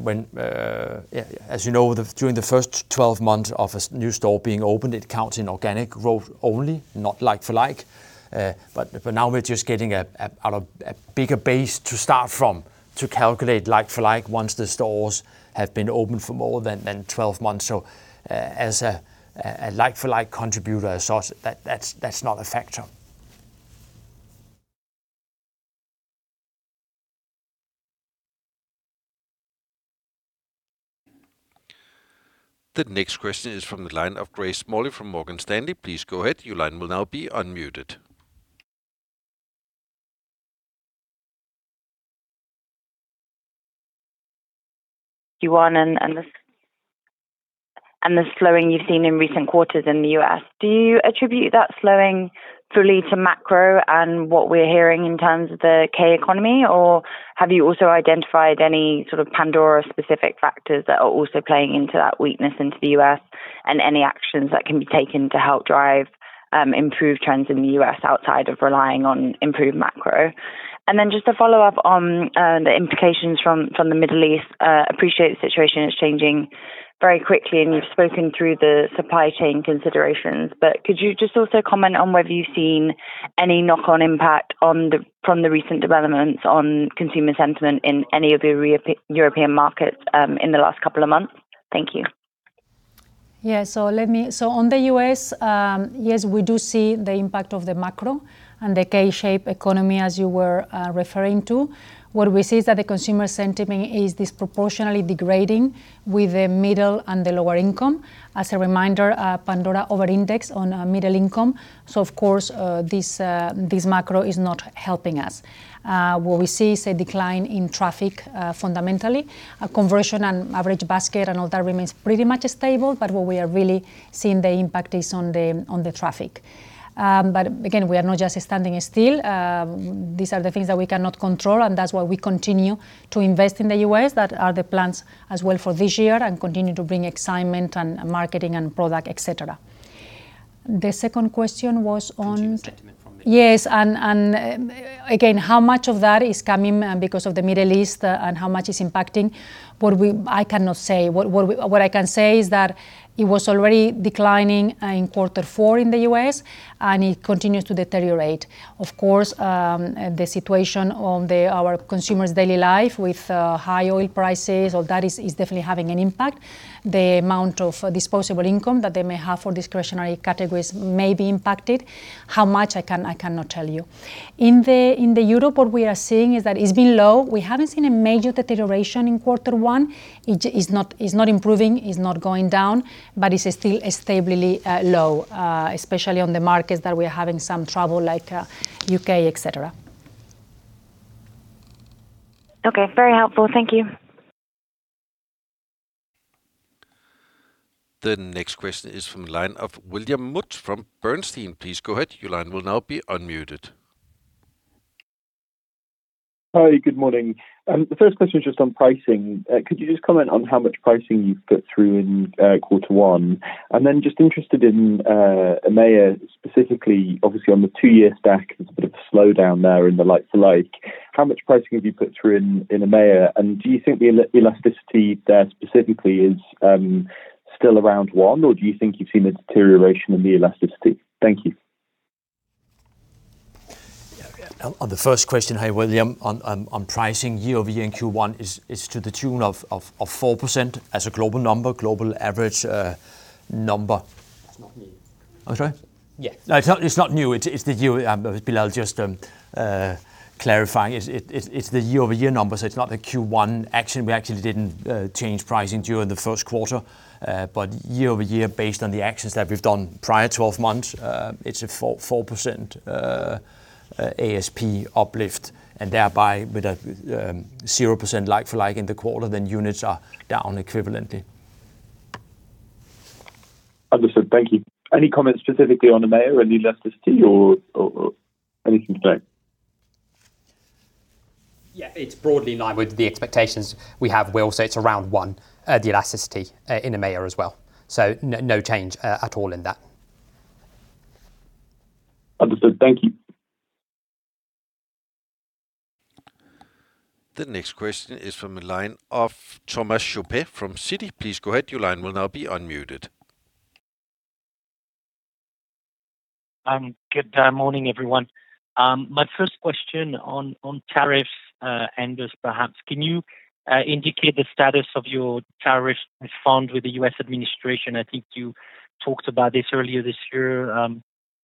when As you know, during the first 12 months of a new store being opened, it counts in organic growth only, not like-for-like. Now we're just getting a bigger base to start from to calculate like-for-like once the stores have been open for more than 12 months. As a like-for-like contributor source, that's not a factor. The next question is from the line of Grace Smalley from Morgan Stanley. Please go ahead. Your line will now be unmuted. You on the slowing you've seen in recent quarters in the U.S. Do you attribute that slowing fully to macro and what we're hearing in terms of the K economy? Or have you also identified any sort of Pandora-specific factors that are also playing into that weakness into the U.S. and any actions that can be taken to help drive improved trends in the U.S. outside of relying on improved macro? Just to follow up on the implications from the Middle East, appreciate the situation is changing very quickly, and you've spoken through the supply chain considerations. Could you just also comment on whether you've seen any knock-on impact from the recent developments on consumer sentiment in any of your European markets in the last couple of months? Thank you. Yeah. On the U.S., yes, we do see the impact of the macro and the K-shaped economy as you were referring to. What we see is that the consumer sentiment is disproportionately degrading with the middle and the lower income. As a reminder, Pandora over-indexed on middle income. Of course, this macro is not helping us. What we see is a decline in traffic fundamentally. Conversion and average basket and all that remains pretty much stable, but where we are really seeing the impact is on the traffic. Again, we are not just standing still. These are the things that we cannot control, and that's why we continue to invest in the U.S. That are the plans as well for this year and continue to bring excitement and marketing and product, et cetera. The second question was on- Consumer sentiment. Yes. Again, how much of that is coming because of the Middle East and how much is impacting, I cannot say. What I can say is that it was already declining in Q4 in the U.S., and it continues to deteriorate. Of course, the situation on our consumers' daily life with high oil prices, all that is definitely having an impact. The amount of disposable income that they may have for discretionary categories may be impacted. How much, I cannot tell you. In Europe, what we are seeing is that it's been low. We haven't seen a major deterioration in Q1. It is not, is not improving, is not going down, but it's still stably low, especially on the markets that we are having some trouble like U.K., et cetera. Okay. Very helpful. Thank you. The next question is from the line of William Woods from Bernstein. Please go ahead. Hi, good morning. The first question is just on pricing. Could you just comment on how much pricing you've put through in Q1? Just interested in EMEA specifically. Obviously, on the two-year stack, there's a bit of a slowdown there in the like-for-like. How much pricing have you put through in EMEA, and do you think the elasticity there specifically is still around one, or do you think you've seen a deterioration in the elasticity? Thank you. On the first question here, William, on pricing year-over-year in Q1 is to the tune of 4% as a global number, global average number. That's not new. I'm sorry? Yeah. No, it's not new. It's the year, Bilal just clarifying. It's the year-over-year number, so it's not the Q1 action. We actually didn't change pricing during the first quarter. Year-over-year, based on the actions that we've done prior 12 months, it's a 4% ASP uplift. Thereby, with a 0% like-for-like in the quarter, then units are down equivalently. Understood. Thank you. Any comments specifically on EMEA and elasticity or anything to say? Yeah. It is broadly in line with the expectations we have, Will, so it is around one, the elasticity, in EMEA as well. No change at all in that. Understood. Thank you. The next question is from the line of Thomas Chauvet from Citi. Please go ahead. Good morning, everyone. My first question on tariffs, Anders, perhaps. Can you indicate the status of your tariffs refund with the U.S. administration? I think you talked about this earlier this year.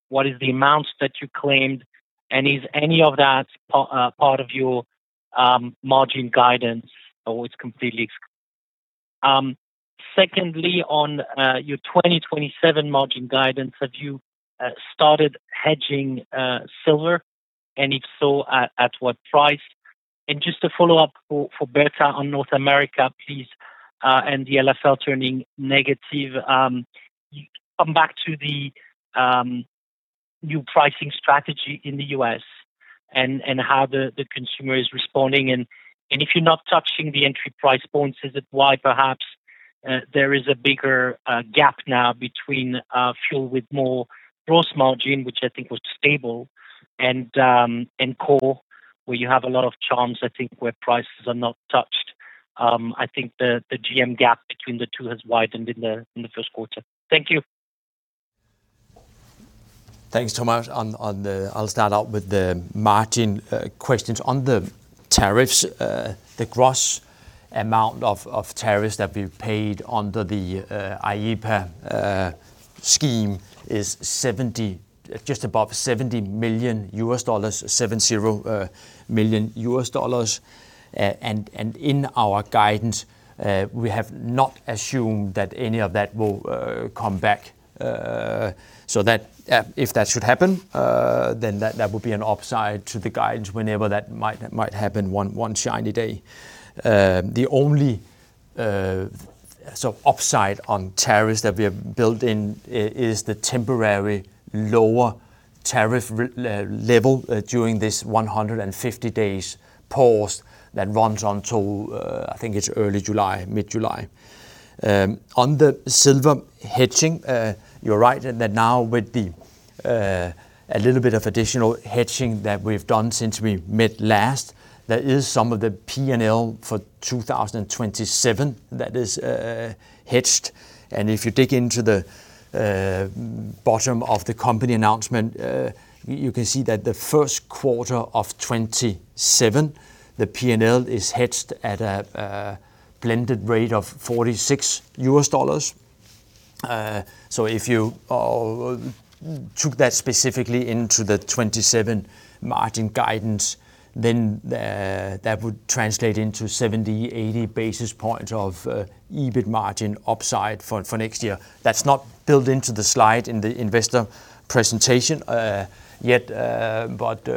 What is the amount that you claimed, and is any of that part of your margin guidance, or it's completely? Secondly, on your 2027 margin guidance, have you started hedging silver? If so, at what price? Just a follow-up for Berta on North America, please, and the LFL turning negative. You come back to the new pricing strategy in the U.S. and how the consumer is responding and if you're not touching the entry price points, is it why perhaps there is a bigger gap now between Fuel with More gross margin, which I think was stable and core, where you have a lot of charms, I think, where prices are not touched? I think the GM gap between the two has widened in the first quarter. Thank you. Thanks, Thomas. On the I'll start out with the margin questions. On the tariffs, the gross amount of tariffs that we've paid under the IEEPA scheme is just above $70 million. In our guidance, we have not assumed that any of that will come back. If that should happen, then that would be an upside to the guidance whenever that might happen one shiny day. The only sort of upside on tariffs that we have built in is the temporary lower tariff level during this 150 days pause that runs until I think it's early July, mid-July. On the silver hedging, you're right in that now with the a little bit of additional hedging that we've done since we met last, there is some of the P&L for 2027 that is hedged. If you dig into the bottom of the company announcement, you can see that the first quarter of 27, the P&L is hedged at a blended rate of $46. If you took that specifically into the 27 margin guidance, then that would translate into 70, 80 basis points of EBIT margin upside for next year. That's not built into the slide in the investor presentation, yet, but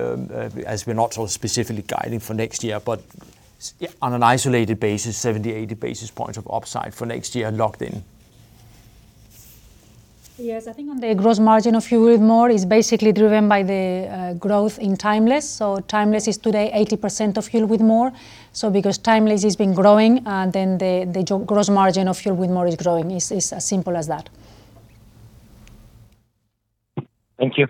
as we're not sort of specifically guiding for next year, but yeah, on an isolated basis, 70, 80 basis points of upside for next year locked in. Yes. I think on the gross margin of Fuel with More is basically driven by the growth in Timeless. Timeless is today 80% of Fuel with More. Because Timeless has been growing, then the gross margin of Fuel with More is growing. It's as simple as that. Thank you.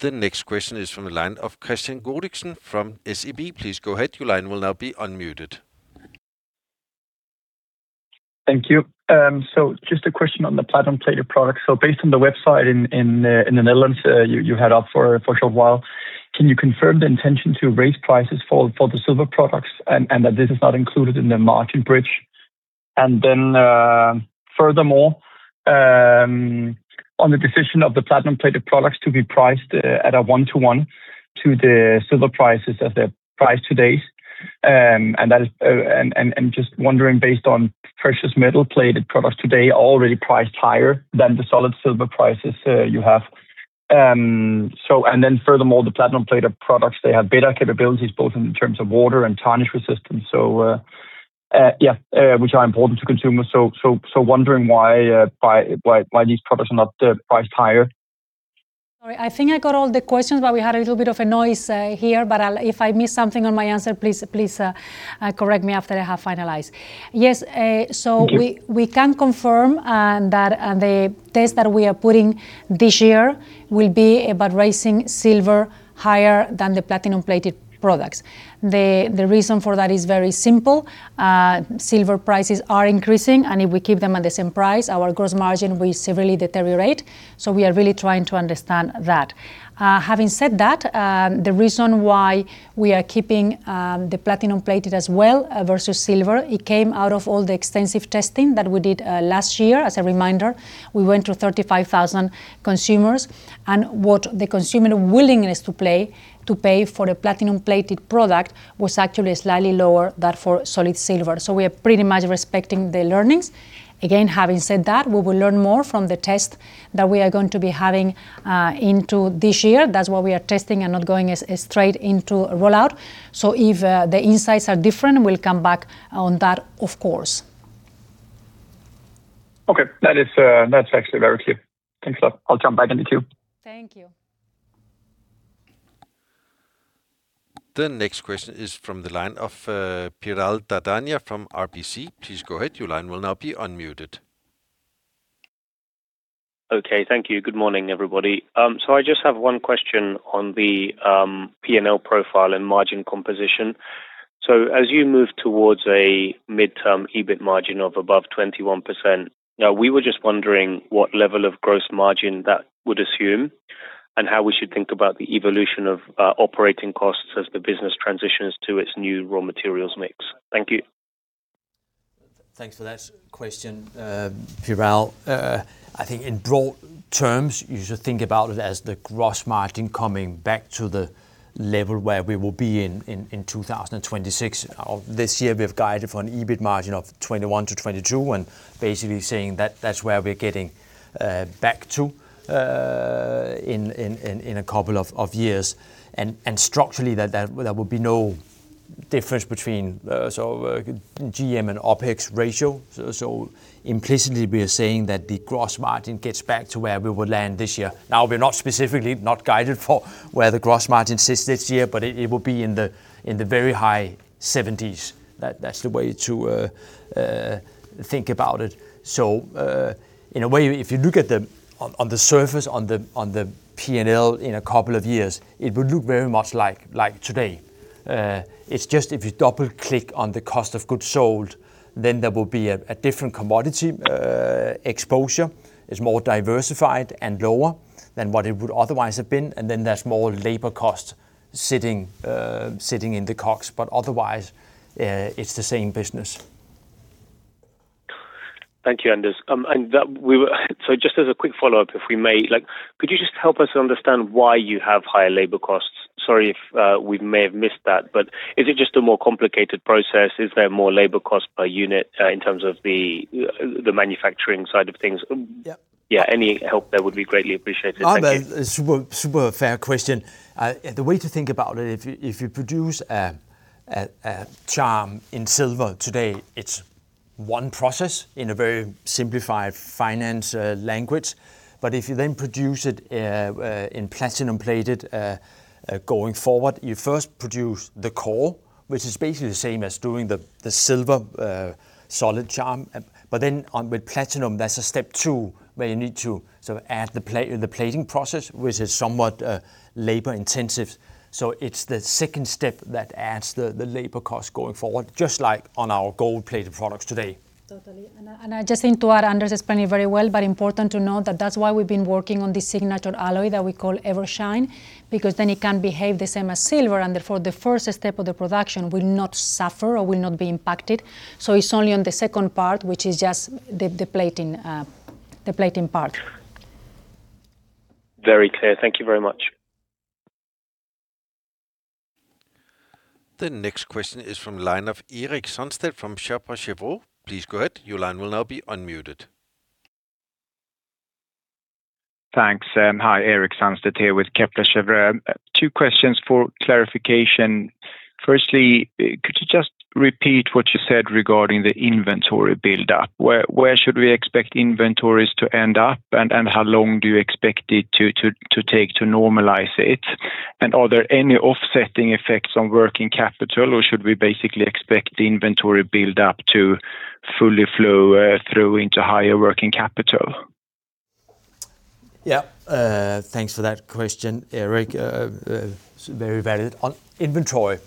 The next question is from the line of Kristian Godiksen from SEB. Please go ahead. Thank you. Just a question on the platinum-plated product. Based on the website in the Netherlands, you had up for a short while, can you confirm the intention to raise prices for the silver products and that this is not included in the margin bridge? Furthermore, on the decision of the platinum-plated products to be priced at a one-to-one to the silver prices as they're priced today, and that is, and just wondering based on precious metal-plated products today are already priced higher than the solid silver prices you have. Furthermore, the platinum-plated products, they have better capabilities both in terms of water and tarnish resistance. Yeah, which are important to consumers. Wondering why these products are not priced higher? Sorry, I think I got all the questions. We had a little bit of a noise here. I'll if I miss something on my answer, please correct me after I have finalized. Yes. Thank you. We can confirm that the test that we are putting this year will be about raising silver higher than the platinum-plated products. The reason for that is very simple. Silver prices are increasing, and if we keep them at the same price, our gross margin will severely deteriorate, we are really trying to understand that. Having said that, the reason why we are keeping the platinum-plated as well, versus silver, it came out of all the extensive testing that we did last year. As a reminder, we went to 35,000 consumers, and what the consumer willingness to pay for a platinum-plated product was actually slightly lower than for solid silver. We are pretty much respecting the learnings. Having said that, we will learn more from the test that we are going to be having into this year. That's why we are testing and not going as straight into a rollout. If the insights are different, we'll come back on that, of course. Okay. That is, that's actually very clear. Thanks a lot. I'll jump back in the queue. Thank you. The next question is from the line of Piral Dadhania from RBC. Please go ahead. Your line will now be unmuted. Okay. Thank you. Good morning, everybody. I just have one question on the P&L profile and margin composition. As you move towards a midterm EBIT margin of above 21%, now we were just wondering what level of gross margin that would assume and how we should think about the evolution of operating costs as the business transitions to its new raw materials mix. Thank you. Thanks for that question, Piral. I think in broad terms, you should think about it as the gross margin coming back to the level where we will be in 2026. This year we have guided for an EBIT margin of 21%-22%, and basically saying that that's where we're getting back to in a couple of years. Structurally there will be no difference between so GM and OpEx ratio. Implicitly we are saying that the gross margin gets back to where we will land this year. Now, we're not specifically not guided for where the gross margin sits this year, but it will be in the very high 70s. That's the way to think about it. In a way, if you look on the surface, on the P&L in a couple of years, it would look very much like today. It's just if you double-click on the cost of goods sold, then there will be a different commodity. Exposure is more diversified and lower than what it would otherwise have been, and then there's more labor costs sitting in the COGS. Otherwise, it's the same business. Thank you, Anders. Just as a quick follow-up, if we may, like, could you just help us understand why you have higher labor costs? Sorry if we may have missed that. Is it just a more complicated process? Is there more labor cost per unit in terms of the manufacturing side of things? Yeah. Yeah, any help there would be greatly appreciated. Thank you. A super fair question. The way to think about it, if you produce a charm in silver today, it is one process in a very simplified finance language. If you then produce it in platinum-plated going forward, you first produce the core, which is basically the same as doing the silver solid charm. On with platinum, there is a step two where you need to sort of add the plating process, which is somewhat labor intensive. It is the second step that adds the labor cost going forward, just like on our gold-plated products today. Totally. I just think to add, Anders explained it very well. Important to note that that's why we've been working on this signature alloy that we call Evershine. It can behave the same as silver, therefore the first step of the production will not suffer or will not be impacted. It's only on the second part, which is just the plating part. Very clear. Thank you very much. The next question is from line of Erik Sandstedt from Kepler Cheuvreux. Please go ahead. Thanks. Hi, Erik Sandstedt here with Kepler Cheuvreux. Two questions for clarification. Firstly, could you just repeat what you said regarding the inventory buildup? Where should we expect inventories to end up, and how long do you expect it to take to normalize it? Are there any offsetting effects on working capital, or should we basically expect the inventory buildup to fully flow through into higher working capital? Thanks for that question, Erik. It's very valid. On inventory,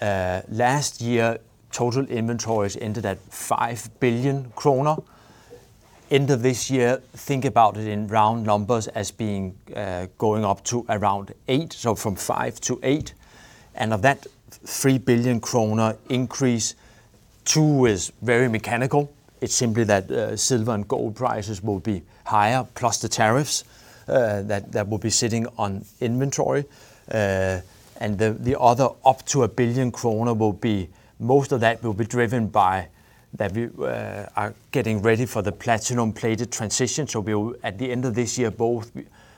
last year, total inventories ended at 5 billion kroner. End of this year, think about it in round numbers as being going up to around 8 billion, so from 5 billion to 8 billion. Of that 3 billion kroner increase, 2 billion is very mechanical. It's simply that silver and gold prices will be higher, plus the tariffs that will be sitting on inventory. The other up to 1 billion kroner, most of that will be driven by that we are getting ready for the platinum-plated transition. We'll, at the end of this year, both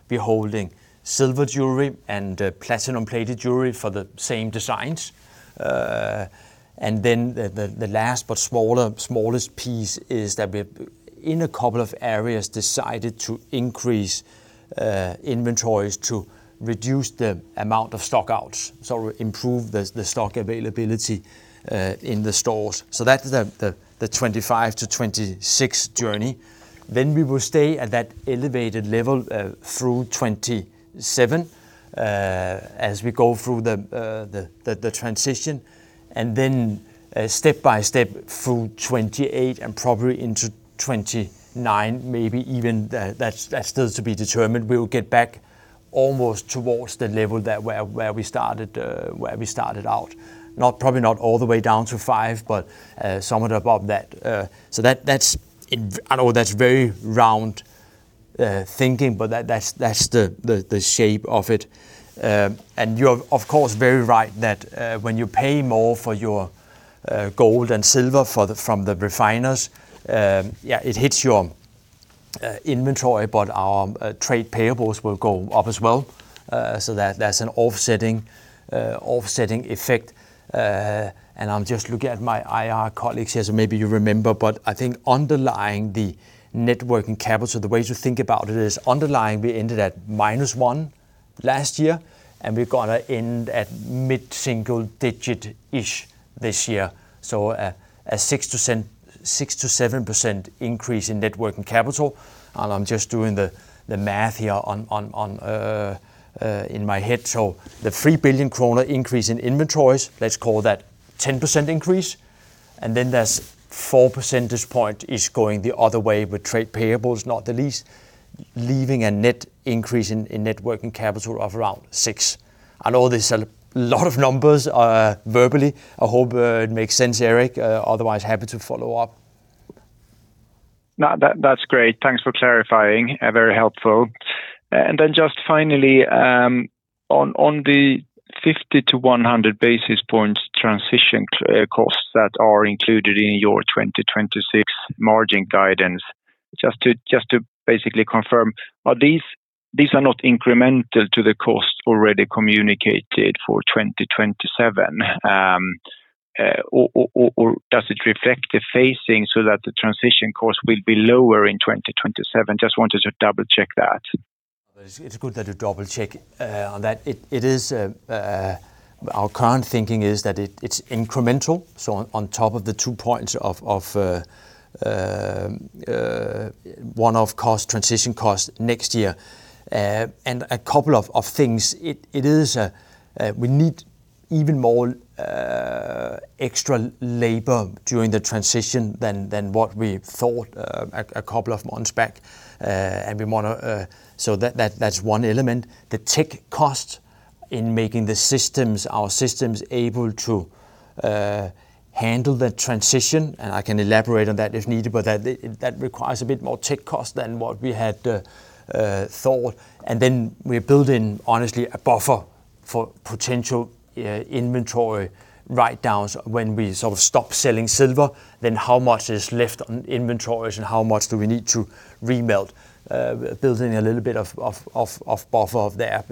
be holding silver jewelry and platinum-plated jewelry for the same designs. The last but smaller, smallest piece is that we've, in a couple of areas, decided to increase inventories to reduce the amount of stock outs, so improve the stock availability in the stores. That's the 2025 to 2026 journey. We will stay at that elevated level through 2027 as we go through the transition and then step by step through 2028 and probably into 2029, maybe even, that's still to be determined. We will get back almost towards the level that where we started, where we started out. Probably not all the way down to five, but somewhat above that. That's in I know that's very round thinking, but that's the shape of it. You're of course, very right that when you pay more for your gold and silver for the, from the refiners, yeah, it hits your inventory, but our trade payables will go up as well. That's an offsetting effect. I'm just looking at my IR colleagues here, maybe you remember, but I think underlying the net working capital, the way to think about it is underlying we ended at -1 last year, and we're gonna end at mid-single digit-ish this year. A 6%, 6%-7% increase in net working capital. I'm just doing the math here in my head. The 3 billion kroner increase in inventories, let's call that 10% increase, and then there's 4 percentage point is going the other way with trade payables, not the least, leaving a net increase in net working capital of around six. I know there's a lot of numbers verbally. I hope it makes sense, Erik. Otherwise, happy to follow up. No, that's great. Thanks for clarifying and very helpful. Just finally, on the 50 to 100 basis points transition costs that are included in your 2026 margin guidance, just to basically confirm, are these not incremental to the cost already communicated for 2027? Or does it reflect the phasing so that the transition cost will be lower in 2027? Just wanted to double-check that. It's good that you double-check on that. It is our current thinking is that it's incremental, so on top of the two points of one-off cost, transition cost next year. A couple of things, it is we need even more extra labor during the transition than what we thought a couple of months back. We wanna so that's one element. The tech cost in making the systems, our systems able to handle the transition, I can elaborate on that if needed, That requires a bit more tech cost than what we had thought. We build in, honestly, a buffer for potential inventory write-downs when we sort of stop selling silver, then how much is left on inventories and how much do we need to remelt. Building a little bit of buffer there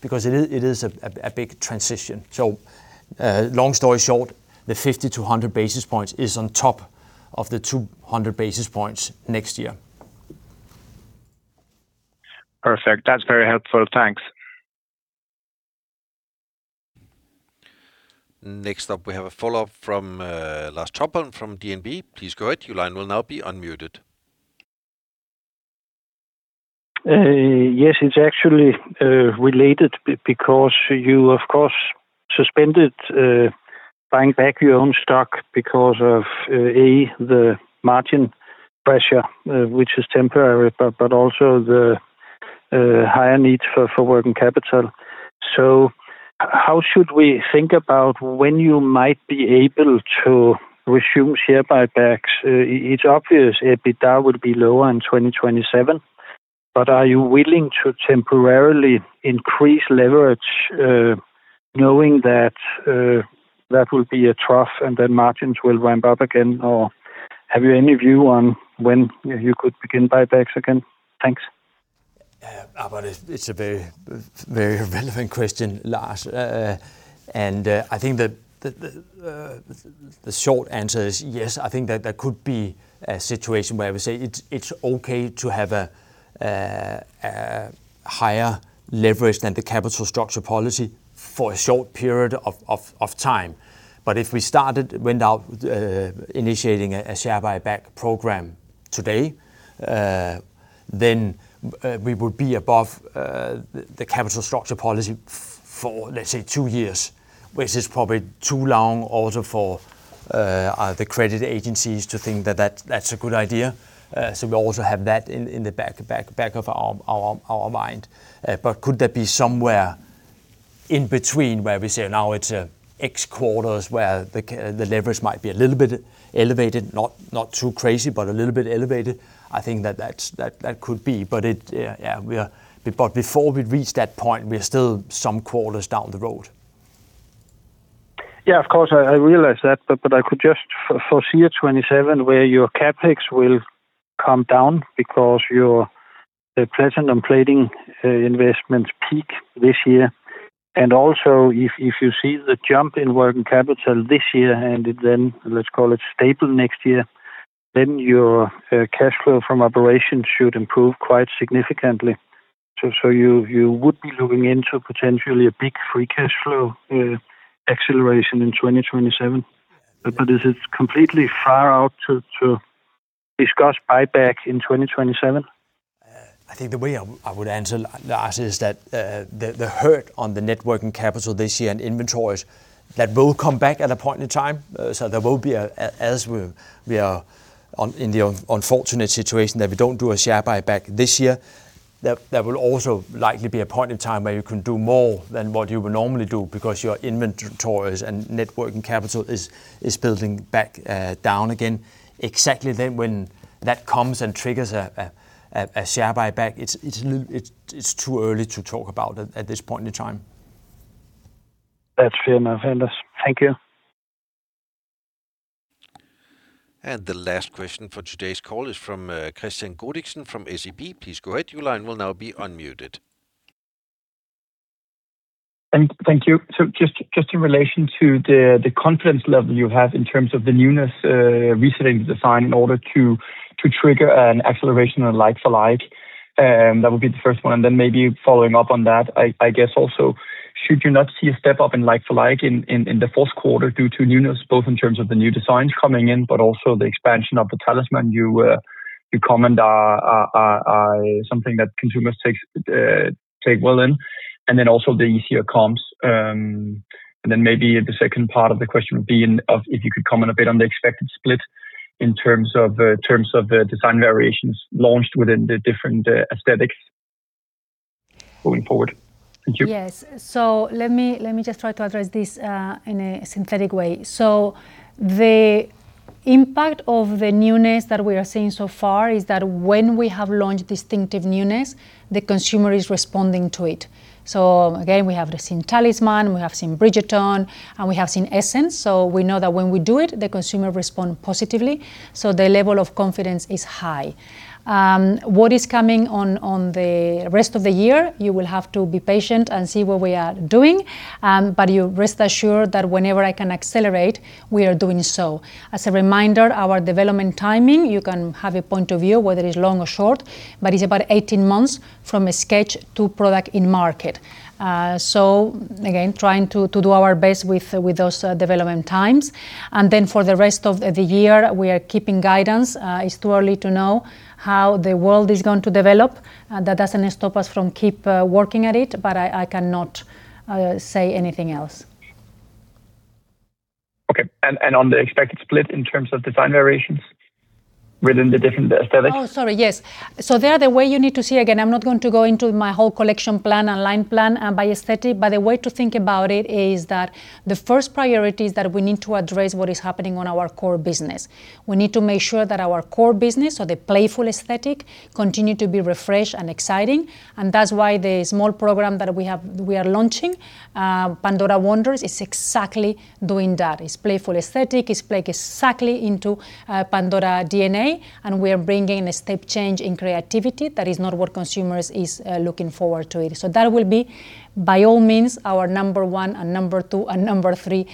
because it is a big transition. Long story short, the 50 to 100 basis points is on top of the 200 basis points next year. Perfect. That is very helpful. Thanks. Next up, we have a follow-up from Lars Topholm from DNB. Please go ahead. Your line will now be unmuted. Yes, it is actually related because you, of course, suspended buying back your own stock because of A, the margin pressure, which is temporary, but also the higher need for working capital. How should we think about when you might be able to resume share buybacks? It is obvious EBITDA would be lower in 2027, but are you willing to temporarily increase leverage, knowing that that will be a trough and then margins will ramp up again? Have you any view on when you could begin buybacks again? Thanks. Yeah. It's a very, very relevant question, Lars. I think the short answer is yes. I think that there could be a situation where we say it's okay to have a higher leverage than the capital structure policy for a short period of time. If we went out initiating a share buyback program today, then we would be above the capital structure policy for, let's say, two years, which is probably too long also for the credit agencies to think that's a good idea. We also have that in the back of our mind. Could there be somewhere in between where we say now it's X quarters where the leverage might be a little bit elevated, not too crazy, but a little bit elevated? I think that's, that could be. Before we reach that point, we're still some quarters down the road. Yeah, of course, I realize that. I could just foresee at 2027 where your CapEx will come down because your, the present and plating investments peak this year. Also, if you see the jump in working capital this year and it then, let’s call it stable next year, then your cash flow from operations should improve quite significantly. You would be looking into potentially a big free cash flow acceleration in 2027. Is it completely far out to discuss buyback in 2027? I think the way I would answer, Lars, is that the hurt on the net working capital this year and inventories, that will come back at a point in time. There will be as we are in the unfortunate situation that we don't do a share buyback this year. There will also likely be a point in time where you can do more than what you would normally do because your inventories and net working capital is building back down again. Exactly then when that comes and triggers a share buyback, it's too early to talk about at this point in time. That's fair enough, Anders. Thank you. The last question for today's call is from Kristian Godiksen from SEB. Please go ahead. Your line will now be unmuted. Thank you. Just in relation to the confidence level you have in terms of the newness, resetting the design in order to trigger an acceleration on like-for-like, that would be the first one. Maybe following up on that, I guess also should you not see a step up in like-for-like in the fourth quarter due to newness, both in terms of the new designs coming in, but also the expansion of the Talisman you comment are something that consumers take well in, and then also the easier comps. Maybe the second part of the question would be if you could comment a bit on the expected split in terms of the design variations launched within the different aesthetics going forward. Thank you. Yes. Let me just try to address this in a synthetic way. The impact of the newness that we are seeing so far is that when we have launched distinctive newness, the consumer is responding to it. Again, we have just seen Talisman, we have seen Pandora and Bridgerton, and we have seen Essence. We know that when we do it, the consumer respond positively, so the level of confidence is high. What is coming on the rest of the year, you will have to be patient and see what we are doing. You rest assured that whenever I can accelerate, we are doing so. As a reminder, our development timing, you can have a point of view whether it's long or short, but it's about 18 months from a sketch to product in market. So again, trying to do our best with those development times. Then for the rest of the year, we are keeping guidance. It's too early to know how the world is going to develop. That doesn't stop us from working at it, but I cannot say anything else. Okay. On the expected split in terms of design variations within the different aesthetics? Oh, sorry, yes. There, the way you need to see, again, I'm not going to go into my whole collection plan and line plan and by aesthetic, but the way to think about it is that the first priority is that we need to address what is happening on our core business. We need to make sure that our core business or the playful aesthetic continue to be refreshed and exciting. That's why the small program that we have, we are launching Pandora Wonders, is exactly doing that. It's playful aesthetic. It plays exactly into Pandora DNA, and we are bringing a step change in creativity that is not what consumers are looking forward to it. That will be, by all means, our number one and number two and number three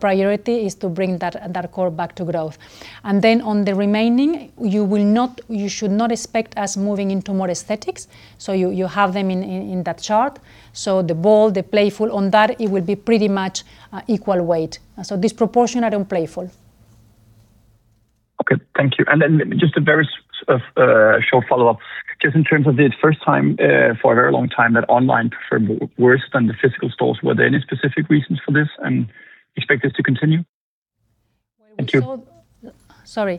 priority is to bring that core back to growth. On the remaining, you should not expect us moving into more aesthetics. You have them in that chart. The bold, the playful on that, it will be pretty much equal weight. Disproportionate on playful. Okay. Thank you. Just a very short follow-up. Just in terms of the first time for a very long time that online preferred worse than the physical stores. Were there any specific reasons for this, and you expect this to continue? Thank you. Sorry.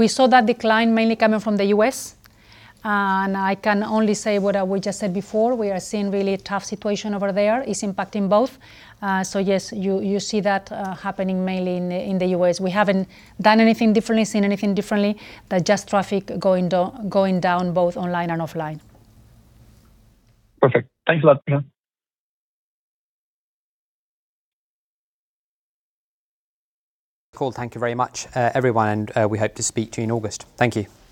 We saw that decline mainly coming from the U.S., and I can only say what we just said before. We are seeing really a tough situation over there. It's impacting both. Yes, you see that happening mainly in the U.S. We haven't done anything differently, seen anything differently than just traffic going down both online and offline. Perfect. Thanks a lot. Yeah. Cool. Thank you very much, everyone. We hope to speak to you in August. Thank you. Take care.